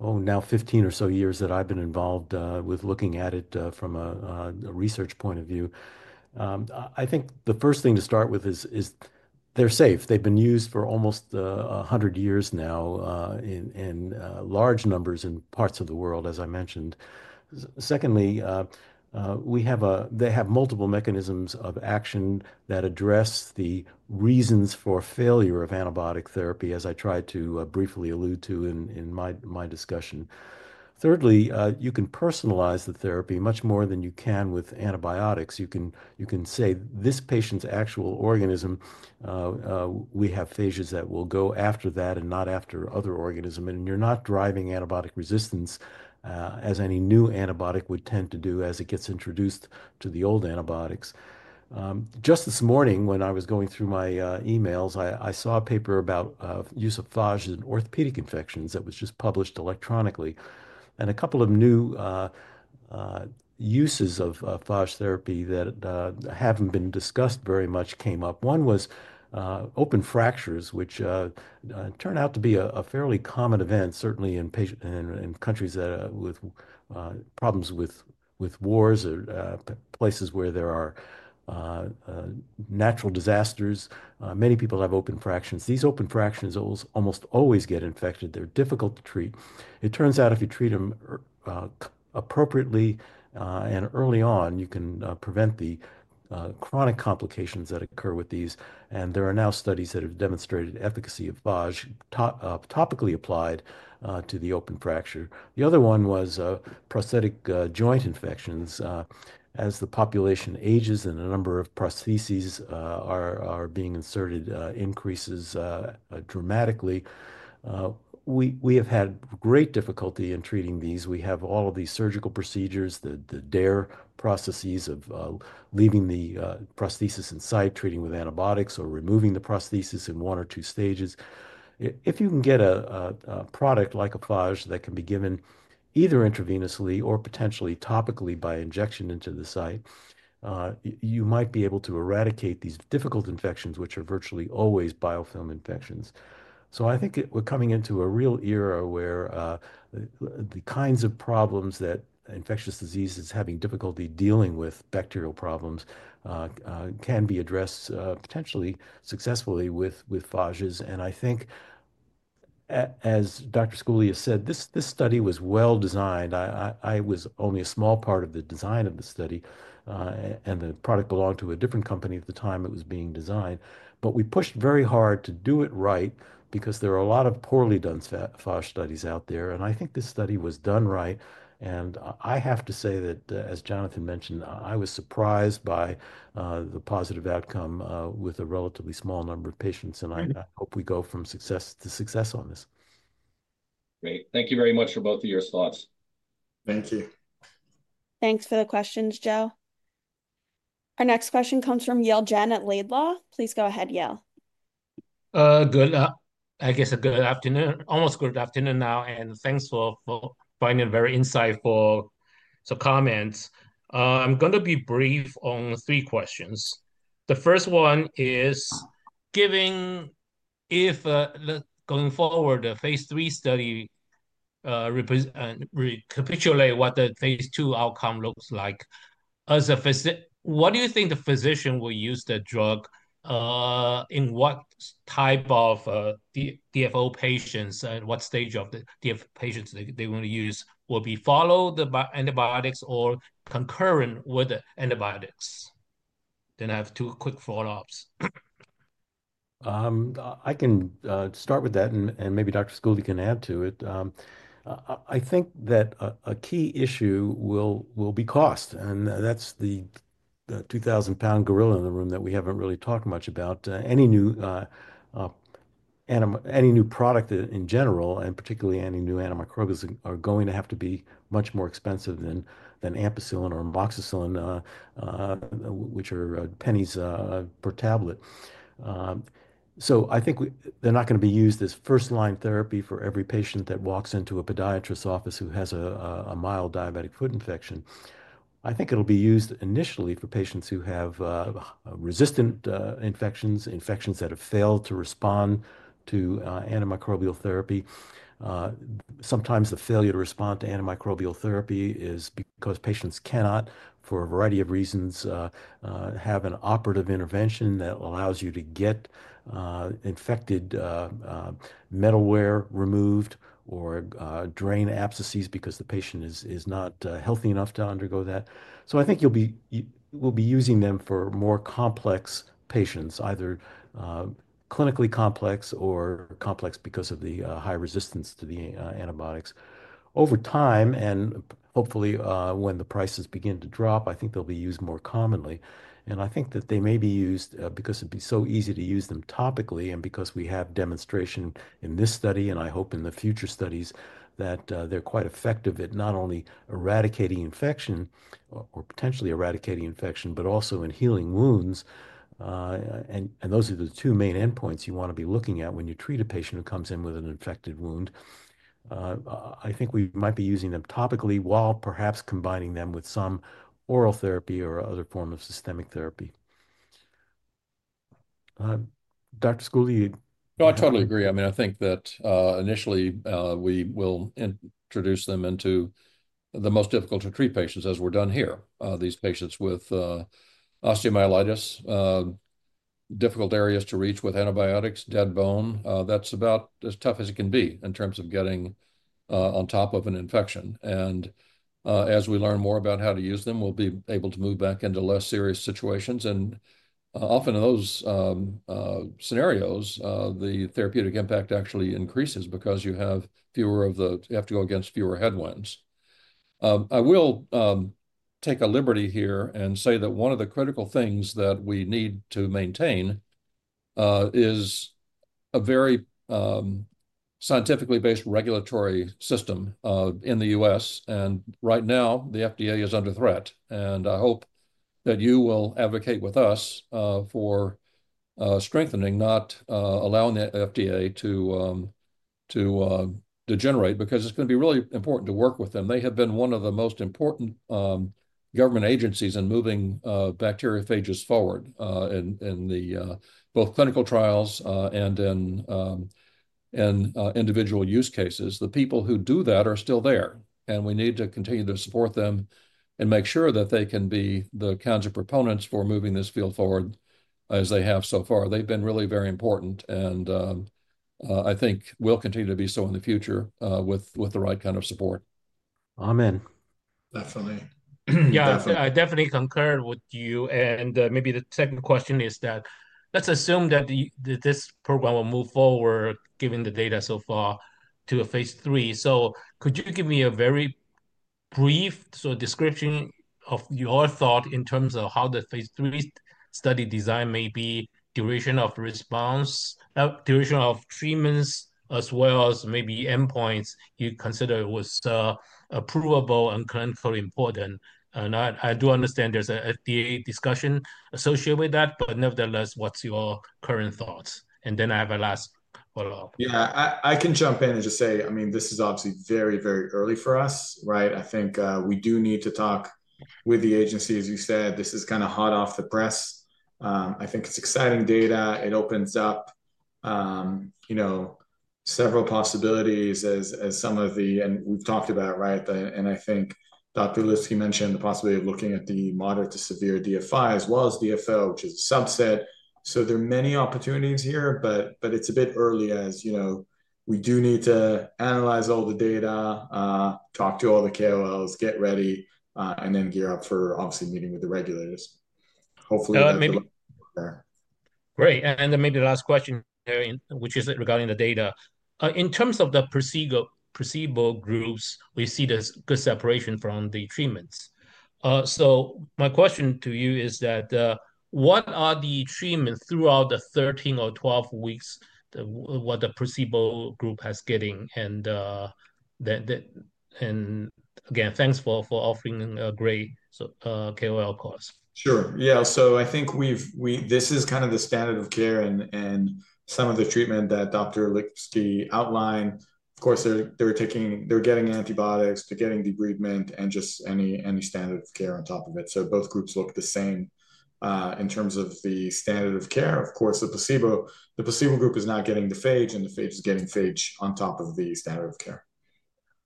oh, now 15 or so years that I've been involved with looking at it from a research point of view. I think the first thing to start with is they're safe. They've been used for almost 100 years now in large numbers in parts of the world, as I mentioned. Secondly, they have multiple mechanisms of action that address the reasons for failure of antibiotic therapy, as I tried to briefly allude to in my discussion. Thirdly, you can personalize the therapy much more than you can with antibiotics. You can say, "This patient's actual organism, we have phages that will go after that and not after other organisms." You're not driving antibiotic resistance as any new antibiotic would tend to do as it gets introduced to the old antibiotics. Just this morning, when I was going through my emails, I saw a paper about the use of phage in orthopedic infections that was just published electronically. A couple of new uses of phage therapy that have not been discussed very much came up. One was open fractures, which turned out to be a fairly common event, certainly in countries with problems with wars or places where there are natural disasters. Many people have open fractures. These open fractures almost always get infected. They are difficult to treat. It turns out if you treat them appropriately and early on, you can prevent the chronic complications that occur with these. There are now studies that have demonstrated efficacy of phage topically applied to the open fracture. The other one was prosthetic joint infections. As the population ages and the number of prostheses being inserted increases dramatically, we have had great difficulty in treating these. We have all of these surgical procedures, the DARE processes of leaving the prosthesis in site, treating with antibiotics, or removing the prosthesis in one or two stages. If you can get a product like a phage that can be given either intravenously or potentially topically by injection into the site, you might be able to eradicate these difficult infections, which are virtually always biofilm infections. I think we're coming into a real era where the kinds of problems that infectious diseases are having difficulty dealing with, bacterial problems, can be addressed potentially successfully with phages. I think, as Dr. Schooley has said, this study was well designed. I was only a small part of the design of the study, and the product belonged to a different company at the time it was being designed. We pushed very hard to do it right because there are a lot of poorly done phage studies out there. I think this study was done right. I have to say that, as Jonathan mentioned, I was surprised by the positive outcome with a relatively small number of patients. I hope we go from success to success on this.
Great. Thank you very much for both of your thoughts.
Thank you.
Thanks for the questions, Joe. Our next question comes frolem Yale Jen Laidlaw. Please go ahead, Yale.
Good. I guess a good afternoon, almost good afternoon now. Thanks for finding a very insightful comment. I'm going to be brief on three questions. The first one is, going forward, the phase three study recapitulates what the phase two outcome looks like. What do you think the physician will use the drug in what type of DFO patients and what stage of the DFO patients they want to use? Will it be followed by antibiotics or concurrent with antibiotics? I have two quick follow-ups.
I can start with that, and maybe Dr. Schooley can add to it. I think that a key issue will be cost. That is the 2,000-pound gorilla in the room that we have not really talked much about. Any new product in general, and particularly any new antimicrobials, are going to have to be much more expensive than ampicillin or amoxicillin, which are pennies per tablet. I think they are not going to be used as first-line therapy for every patient that walks into a podiatrist's office who has a mild diabetic foot infection. I think it'll be used initially for patients who have resistant infections, infections that have failed to respond to antimicrobial therapy. Sometimes the failure to respond to antimicrobial therapy is because patients cannot, for a variety of reasons, have an operative intervention that allows you to get infected metal wear removed or drain abscesses because the patient is not healthy enough to undergo that. I think we'll be using them for more complex patients, either clinically complex or complex because of the high resistance to the antibiotics. Over time, and hopefully when the prices begin to drop, I think they'll be used more commonly. I think that they may be used because it'd be so easy to use them topically and because we have demonstration in this study and I hope in future studies that they're quite effective at not only eradicating infection or potentially eradicating infection, but also in healing wounds. Those are the two main endpoints you want to be looking at when you treat a patient who comes in with an infected wound. I think we might be using them topically while perhaps combining them with some oral therapy or other form of systemic therapy. Dr. Schooley?
No, I totally agree. I mean, I think that initially we will introduce them into the most difficult-to-treat patients as we're done here. These patients with osteomyelitis, difficult areas to reach with antibiotics, dead bone, that's about as tough as it can be in terms of getting on top of an infection. As we learn more about how to use them, we'll be able to move back into less serious situations. Often in those scenarios, the therapeutic impact actually increases because you have to go against fewer headwinds. I will take a liberty here and say that one of the critical things that we need to maintain is a very scientifically based regulatory system in the U.S. Right now, the FDA is under threat. I hope that you will advocate with us for strengthening, not allowing the FDA to degenerate because it's going to be really important to work with them. They have been one of the most important government agencies in moving bacteriophages forward in both clinical trials and in individual use cases. The people who do that are still there. We need to continue to support them and make sure that they can be the kinds of proponents for moving this field forward as they have so far. They've been really very important. I think we'll continue to be so in the future with the right kind of support.
Amen.
Definitely.
Yeah, I definitely concur with you. Maybe the second question is that let's assume that this program will move forward given the data so far to a phase three. Could you give me a very brief description of your thought in terms of how the phase three study design may be, duration of response, duration of treatments, as well as maybe endpoints you consider was provable and clinically important? I do understand there's an FDA discussion associated with that, but nevertheless, what's your current thoughts? I have a last follow-up.
Yeah, I can jump in and just say, I mean, this is obviously very, very early for us, right? I think we do need to talk with the agency, as you said. This is kind of hot off the press. I think it's exciting data. It opens up several possibilities as some of the, and we've talked about, right? I think Dr. Lipsky mentioned the possibility of looking at the moderate to severe DFI as well as DFO, which is a subset. There are many opportunities here, but it's a bit early as we do need to analyze all the data, talk to all the KOLs, get ready, and then gear up for obviously meeting with the regulators. Hopefully, that's all there. Great. Maybe the last question, which is regarding the data. In terms of the placebo groups, we see this good separation from the treatments. My question to you is that what are the treatments throughout the 13 or 12 weeks what the placebo group has getting? Again, thanks for offering a great KOL course. Sure. Yeah. I think this is kind of the standard of care and some of the treatment that Dr. Lipsky outlined. Of course, they're getting antibiotics. They're getting debridement and just any standard of care on top of it. Both groups look the same in terms of the standard of care. Of course, the placebo group is not getting the phage, and the phage is getting phage on top of the standard of care.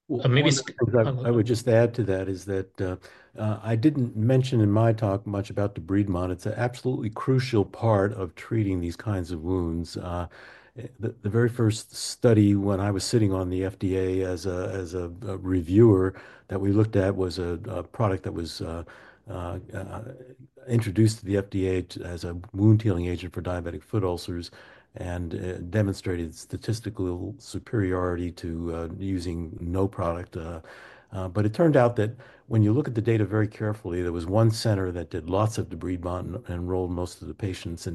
Maybe I would just add to that is that I did not mention in my talk much about debridement. It is an absolutely crucial part of treating these kinds of wounds. The very first study when I was sitting on the FDA as a reviewer that we looked at was a product that was introduced to the FDA as a wound healing agent for diabetic foot ulcers and demonstrated statistically superiority to using no product. It turned out that when you look at the data very carefully, there was one center that did lots of debridement and enrolled most of the patients.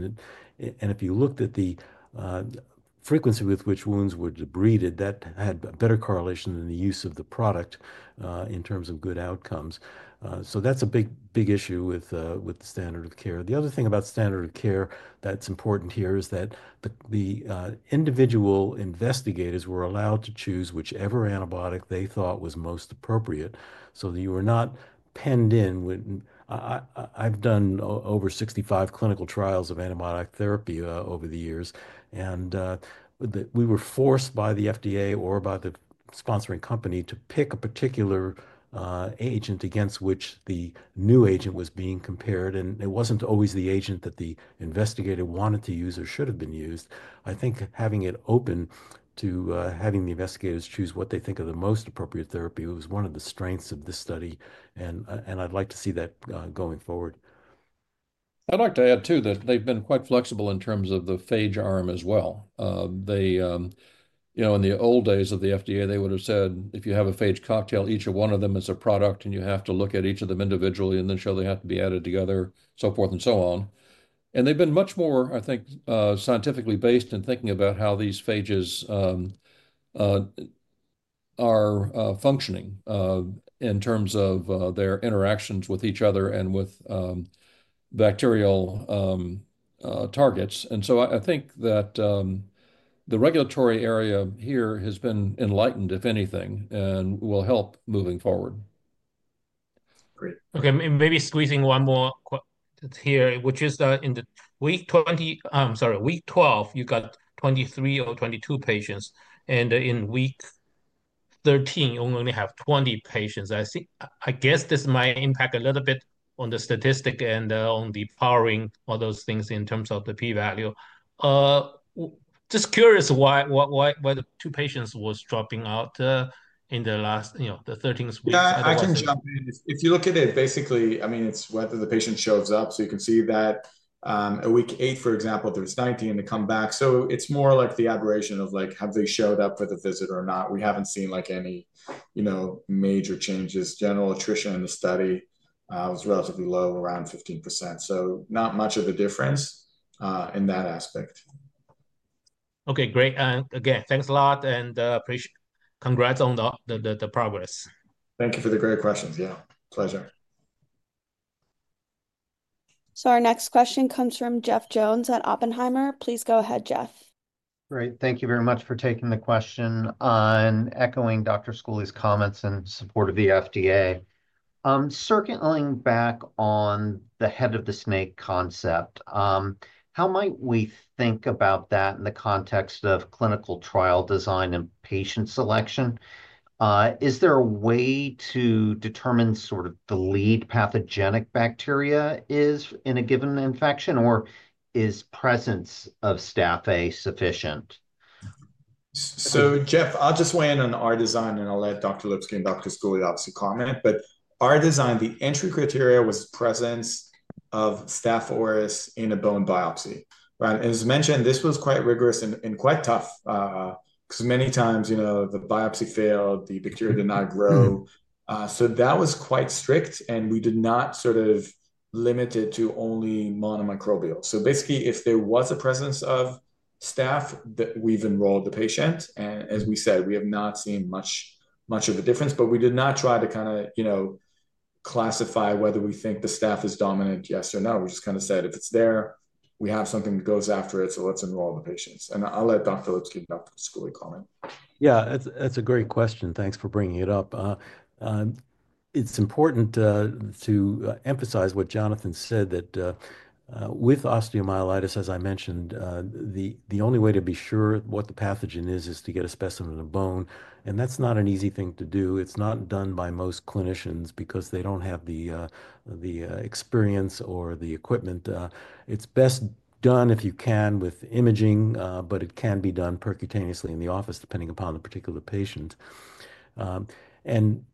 If you looked at the frequency with which wounds were debrided, that had a better correlation than the use of the product in terms of good outcomes. That is a big issue with the standard of care. The other thing about standard of care that is important here is that the individual investigators were allowed to choose whichever antibiotic they thought was most appropriate. You were not penned in. I have done over 65 clinical trials of antibiotic therapy over the years. We were forced by the FDA or by the sponsoring company to pick a particular agent against which the new agent was being compared. It was not always the agent that the investigator wanted to use or should have been used. I think having it open to having the investigators choose what they think are the most appropriate therapy was one of the strengths of this study. I would like to see that going forward.
I would like to add too that they have been quite flexible in terms of the phage arm as well. In the old days of the FDA, they would have said, "If you have a phage cocktail, each one of them is a product, and you have to look at each of them individually and then show they have to be added together," so forth and so on. They have been much more, I think, scientifically based in thinking about how these phages are functioning in terms of their interactions with each other and with bacterial targets. I think that the regulatory area here has been enlightened, if anything, and will help moving forward.
Great. Okay. Maybe squeezing one more here, which is in the week 20, sorry, week 12, you got 23 or 22 patients. In week 13, you only have 20 patients. I guess this might impact a little bit on the statistic and on the powering of those things in terms of the p-value. Just curious why the two patients were dropping out in the last 13 weeks. I can jump in.
If you look at it, basically, I mean, it's whether the patient shows up. You can see that at week 8, for example, there was 90, and they come back. It's more like the aberration of have they showed up for the visit or not. We haven't seen any major changes. General attrition in the study was relatively low, around 15%. Not much of a difference in that aspect. Okay. Great. Again, thanks a lot. Congrats on the progress. Thank you for the great questions. Yeah. Pleasure.
Our next question comes from Jeff Jones at Oppenheimer. Please go ahead, Jeff.
Great. Thank you very much for taking the question and echoing Dr. Schooley's comments in support of the FDA. Circling back on the head of the snake concept, how might we think about that in the context of clinical trial design and patient selection? Is there a way to determine sort of the lead pathogenic bacteria is in a given infection, or is presence of staph A sufficient?
Jeff, I'll just weigh in on our design, and I'll let Dr. Lipsky and Dr. Schooley obviously comment. Our design, the entry criteria was presence of staph aureus in a bone biopsy. As mentioned, this was quite rigorous and quite tough because many times the biopsy failed. The bacteria did not grow. That was quite strict, and we did not sort of limit it to only monomicrobial. Basically, if there was a presence of staph, we enrolled the patient. As we said, we have not seen much of a difference, but we did not try to kind of classify whether we think the staph is dominant, yes or no. We just kind of said, "If it's there, we have something that goes after it, so let's enroll the patients." I'll let Dr. Lipsky and Dr. Schooley comment.
Yeah, that's a great question. Thanks for bringing it up. It's important to emphasize what Jonathan said, that with osteomyelitis, as I mentioned, the only way to be sure what the pathogen is is to get a specimen of bone. That's not an easy thing to do. It's not done by most clinicians because they don't have the experience or the equipment. It's best done if you can with imaging, but it can be done percutaneously in the office, depending upon the particular patient.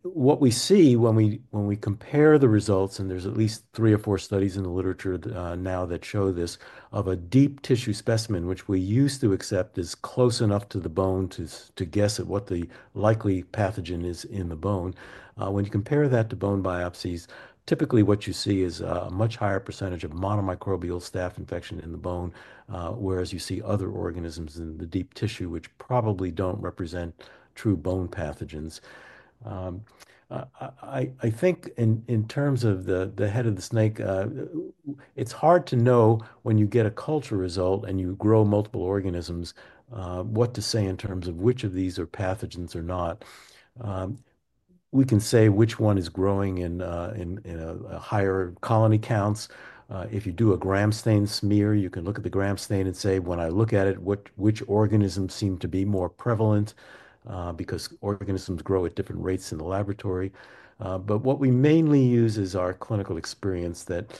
What we see when we compare the results, and there's at least three or four studies in the literature now that show this, of a deep tissue specimen, which we used to accept is close enough to the bone to guess at what the likely pathogen is in the bone. When you compare that to bone biopsies, typically what you see is a much higher percentage of monomicrobial staph infection in the bone, whereas you see other organisms in the deep tissue, which probably don't represent true bone pathogens. I think in terms of the head of the snake, it's hard to know when you get a culture result and you grow multiple organisms what to say in terms of which of these are pathogens or not. We can say which one is growing in higher colony counts. If you do a Gram stain smear, you can look at the Gram stain and say, "When I look at it, which organisms seem to be more prevalent?" Because organisms grow at different rates in the laboratory. What we mainly use is our clinical experience that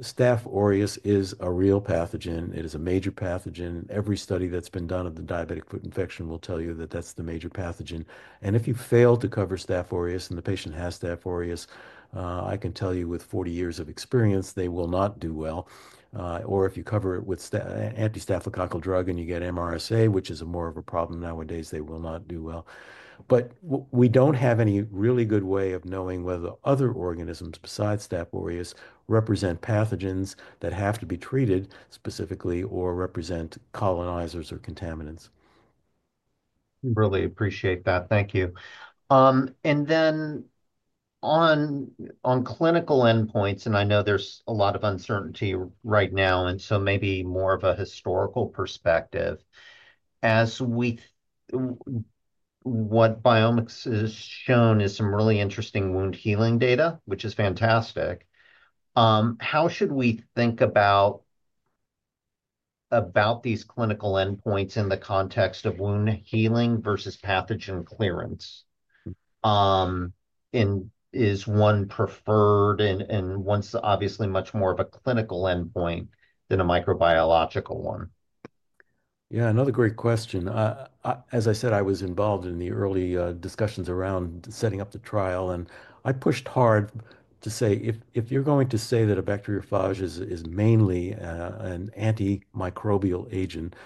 staph aureus is a real pathogen. It is a major pathogen. Every study that's been done of the diabetic foot infection will tell you that that's the major pathogen. If you fail to cover staph aureus and the patient has staph aureus, I can tell you with 40 years of experience, they will not do well. If you cover it with anti-staphylococcal drug and you get MRSA, which is more of a problem nowadays, they will not do well. We do not have any really good way of knowing whether other organisms besides staph aureus represent pathogens that have to be treated specifically or represent colonizers or contaminants.
Really appreciate that. Thank you. On clinical endpoints, and I know there is a lot of uncertainty right now, and so maybe more of a historical perspective. What BiomX has shown is some really interesting wound healing data, which is fantastic. How should we think about these clinical endpoints in the context of wound healing versus pathogen clearance? Is one preferred and one's obviously much more of a clinical endpoint than a microbiological one? Yeah, another great question.
As I said, I was involved in the early discussions around setting up the trial. I pushed hard to say, "If you're going to say that a bacteriophage is mainly an antimicrobial agent,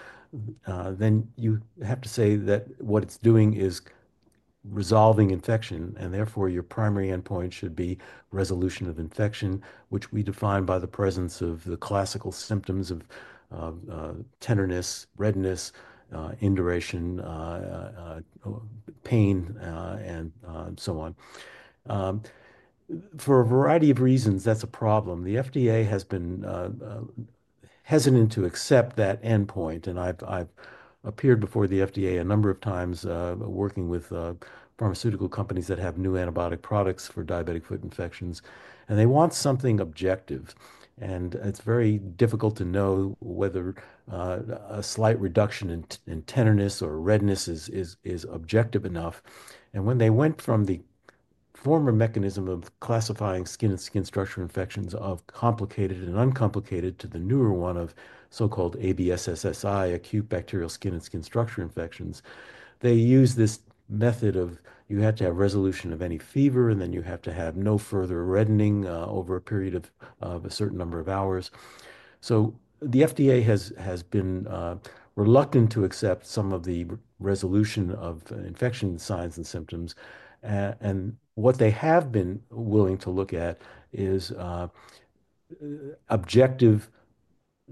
then you have to say that what it's doing is resolving infection. Therefore, your primary endpoint should be resolution of infection, which we define by the presence of the classical symptoms of tenderness, redness, induration, pain, and so on." For a variety of reasons, that's a problem. The FDA has been hesitant to accept that endpoint. I've appeared before the FDA a number of times working with pharmaceutical companies that have new antibiotic products for diabetic foot infections. They want something objective. It is very difficult to know whether a slight reduction in tenderness or redness is objective enough. When they went from the former mechanism of classifying skin and skin structure infections of complicated and uncomplicated to the newer one of so-called ABSSSI, acute bacterial skin and skin structure infections, they used this method of you have to have resolution of any fever, and then you have to have no further reddening over a period of a certain number of hours. The FDA has been reluctant to accept some of the resolution of infection signs and symptoms. What they have been willing to look at is objective diminution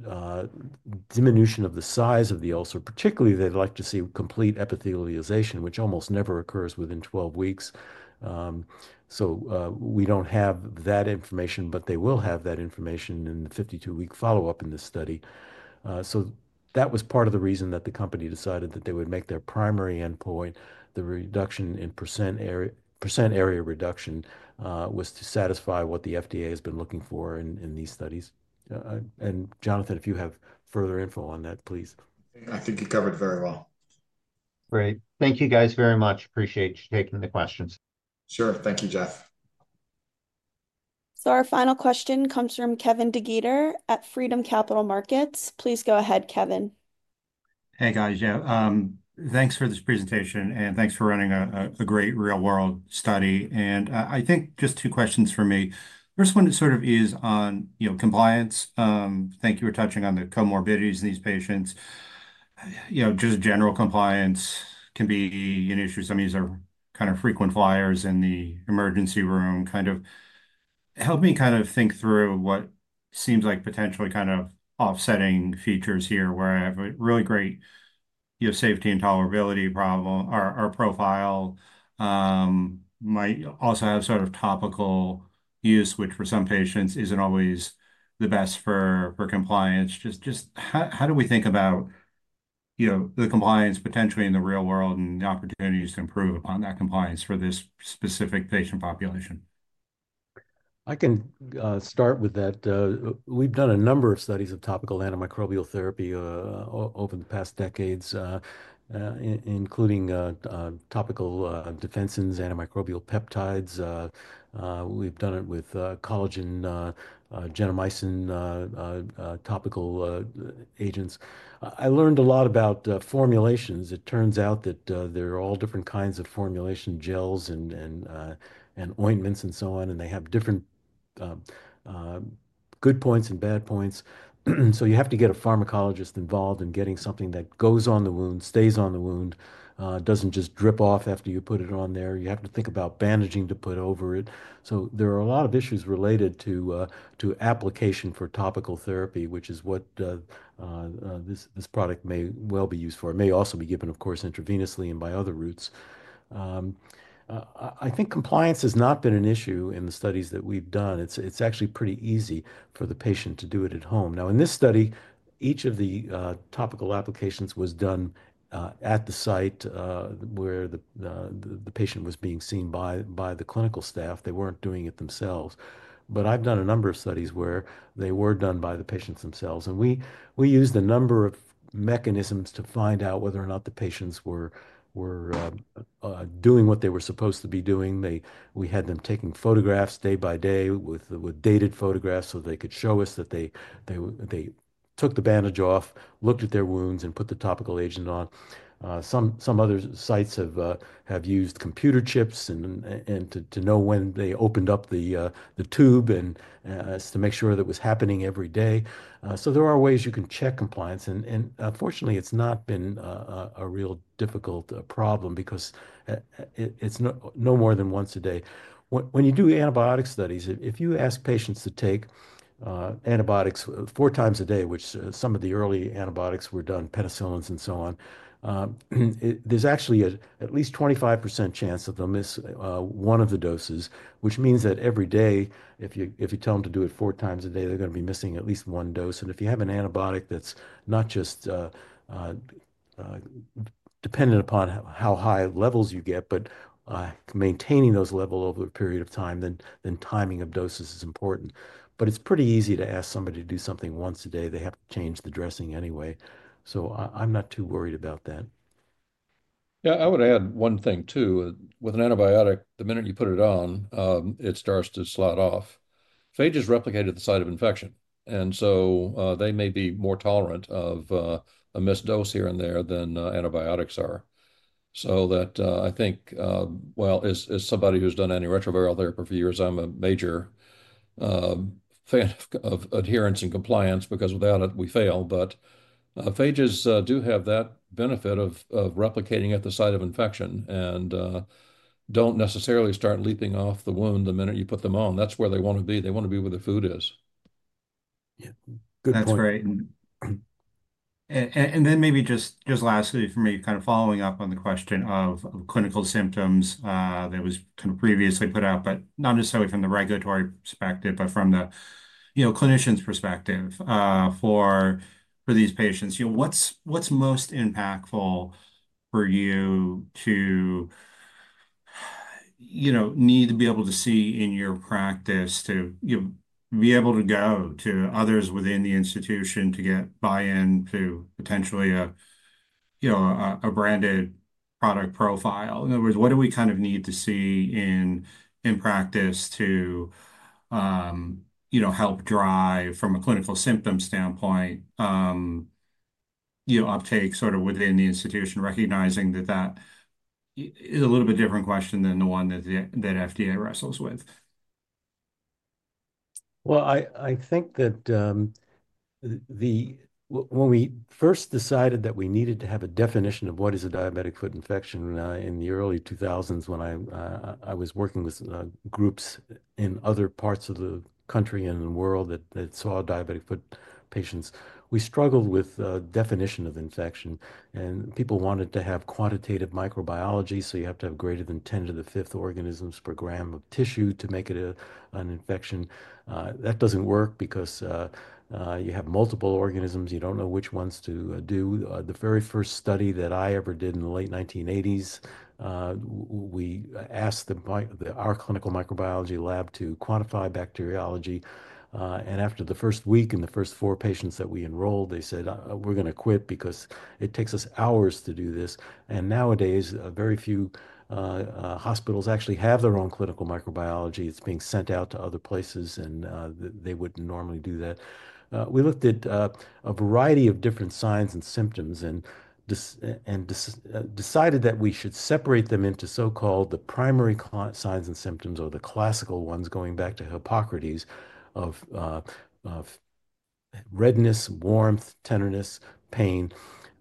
of the size of the ulcer. Particularly, they would like to see complete epithelialization, which almost never occurs within 12 weeks. We do not have that information, but they will have that information in the 52-week follow-up in this study. That was part of the reason that the company decided that they would make their primary endpoint the reduction in percent area reduction was to satisfy what the FDA has been looking for in these studies. Jonathan, if you have further info on that, please. I think you covered it very well.
Great. Thank you, guys, very much. Appreciate you taking the questions. Sure. Thank you, Jeff.
Our final question comes from Kevin DeGeeter at Freedom Capital Markets. Please go ahead, Kevin.
Hey, guys. Yeah. Thanks for this presentation, and thanks for running a great real-world study. I think just two questions for me. First one sort of is on compliance. Thank you for touching on the comorbidities in these patients. Just general compliance can be an issue. Some of these are kind of frequent flyers in the emergency room. Kind of help me kind of think through what seems like potentially kind of offsetting features here where I have a really great safety and tolerability profile. Our profile might also have sort of topical use, which for some patients isn't always the best for compliance. Just how do we think about the compliance potentially in the real world and the opportunities to improve upon that compliance for this specific patient population?
I can start with that. We've done a number of studies of topical antimicrobial therapy over the past decades, including topical defensins, antimicrobial peptides. We've done it with collagen, gentamicin topical agents. I learned a lot about formulations. It turns out that there are all different kinds of formulation gels and ointments and so on, and they have different good points and bad points. You have to get a pharmacologist involved in getting something that goes on the wound, stays on the wound, does not just drip off after you put it on there. You have to think about bandaging to put over it. There are a lot of issues related to application for topical therapy, which is what this product may well be used for. It may also be given, of course, intravenously and by other routes. I think compliance has not been an issue in the studies that we have done. It is actually pretty easy for the patient to do it at home. Now, in this study, each of the topical applications was done at the site where the patient was being seen by the clinical staff. They were not doing it themselves. I have done a number of studies where they were done by the patients themselves. We used a number of mechanisms to find out whether or not the patients were doing what they were supposed to be doing. We had them taking photographs day by day with dated photographs so they could show us that they took the bandage off, looked at their wounds, and put the topical agent on. Some other sites have used computer chips to know when they opened up the tube and to make sure that it was happening every day. There are ways you can check compliance. Unfortunately, it's not been a real difficult problem because it's no more than once a d ay. When you do antibiotic studies, if you ask patients to take antibiotics four times a day, which some of the early antibiotics were done, penicillins and so on, there's actually at least a 25% chance of them miss one of the doses, which means that every day, if you tell them to do it four times a day, they're going to be missing at least one dose. If you have an antibiotic that's not just dependent upon how high levels you get, but maintaining those levels over a period of time, then timing of doses is important. It's pretty easy to ask somebody to do something once a day. They have to change the dressing anyway. I'm not too worried about that.
Yeah, I would add one thing too. With an antibiotic, the minute you put it on, it starts to slide off. Phages replicate at the site of infection. They may be more tolerant of a missed dose here and there than antibiotics are. I think, as somebody who's done antiretroviral therapy for years, I'm a major fan of adherence and compliance because without it, we fail. Phages do have that benefit of replicating at the site of infection and don't necessarily start leaping off the wound the minute you put them on. That's where they want to be. They want to be where the food is.
Yeah. Good point. That's great. Maybe just lastly for me, kind of following up on the question of clinical symptoms that was kind of previously put out, but not necessarily from the regulatory perspective, but from the clinician's perspective for these patients. What's most impactful for you to need to be able to see in your practice to be able to go to others within the institution to get buy-in to potentially a branded product profile? In other words, what do we kind of need to see in practice to help drive from a clinical symptom standpoint uptake sort of within the institution, recognizing that that is a little bit different question than the one that FDA wrestles with?
I think that when we first decided that we needed to have a definition of what is a diabetic foot infection in the early 2000s when I was working with groups in other parts of the country and the world that saw diabetic foot patients, we struggled with definition of infection. And people wanted to have quantitative microbiology. You have to have greater than 10 to the fifth organisms per gram of tissue to make it an infection. That does not work because you have multiple organisms. You do not know which ones to do. The very first study that I ever did in the late 1980s, we asked our clinical microbiology lab to quantify bacteriology. After the first week and the first four patients that we enrolled, they said, "We are going to quit because it takes us hours to do this." Nowadays, very few hospitals actually have their own clinical microbiology. It is being sent out to other places, and they would not normally do that. We looked at a variety of different signs and symptoms and decided that we should separate them into so-called the primary signs and symptoms or the classical ones going back to Hippocrates of redness, warmth, tenderness, pain,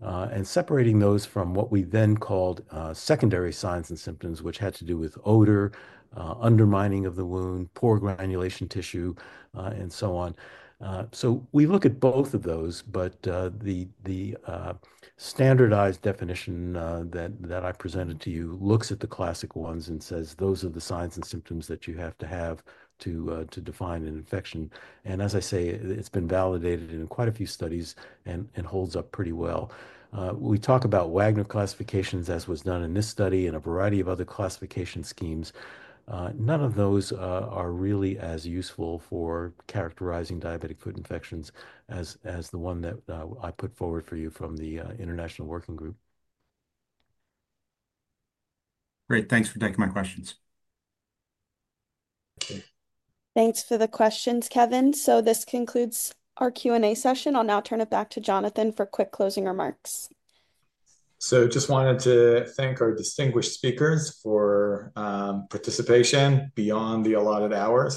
and separating those from what we then called secondary signs and symptoms, which had to do with odor, undermining of the wound, poor granulation tissue, and so on. We look at both of those, but the standardized definition that I presented to you looks at the classic ones and says, "Those are the signs and symptoms that you have to have to define an infection." As I say, it's been validated in quite a few studies and holds up pretty well. We talk about Wagner classifications as was done in this study and a variety of other classification schemes. None of those are really as useful for characterizing diabetic foot infections as the one that I put forward for you from the International Working Group. Great. Thanks for taking my questions. Thanks for the questions, Kevin. This concludes our Q&A session. I'll now turn it back to Jonathan for quick closing remarks. I just wanted to thank our distinguished speakers for participation beyond the allotted hour.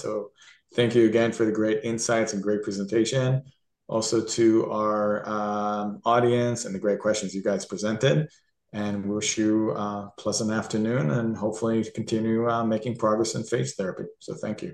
Thank you again for the great insights and great presentation. Also to our audience and the great questions you guys presented. I wish you a pleasant afternoon and hopefully continue making progress in phage therapy. Thank you.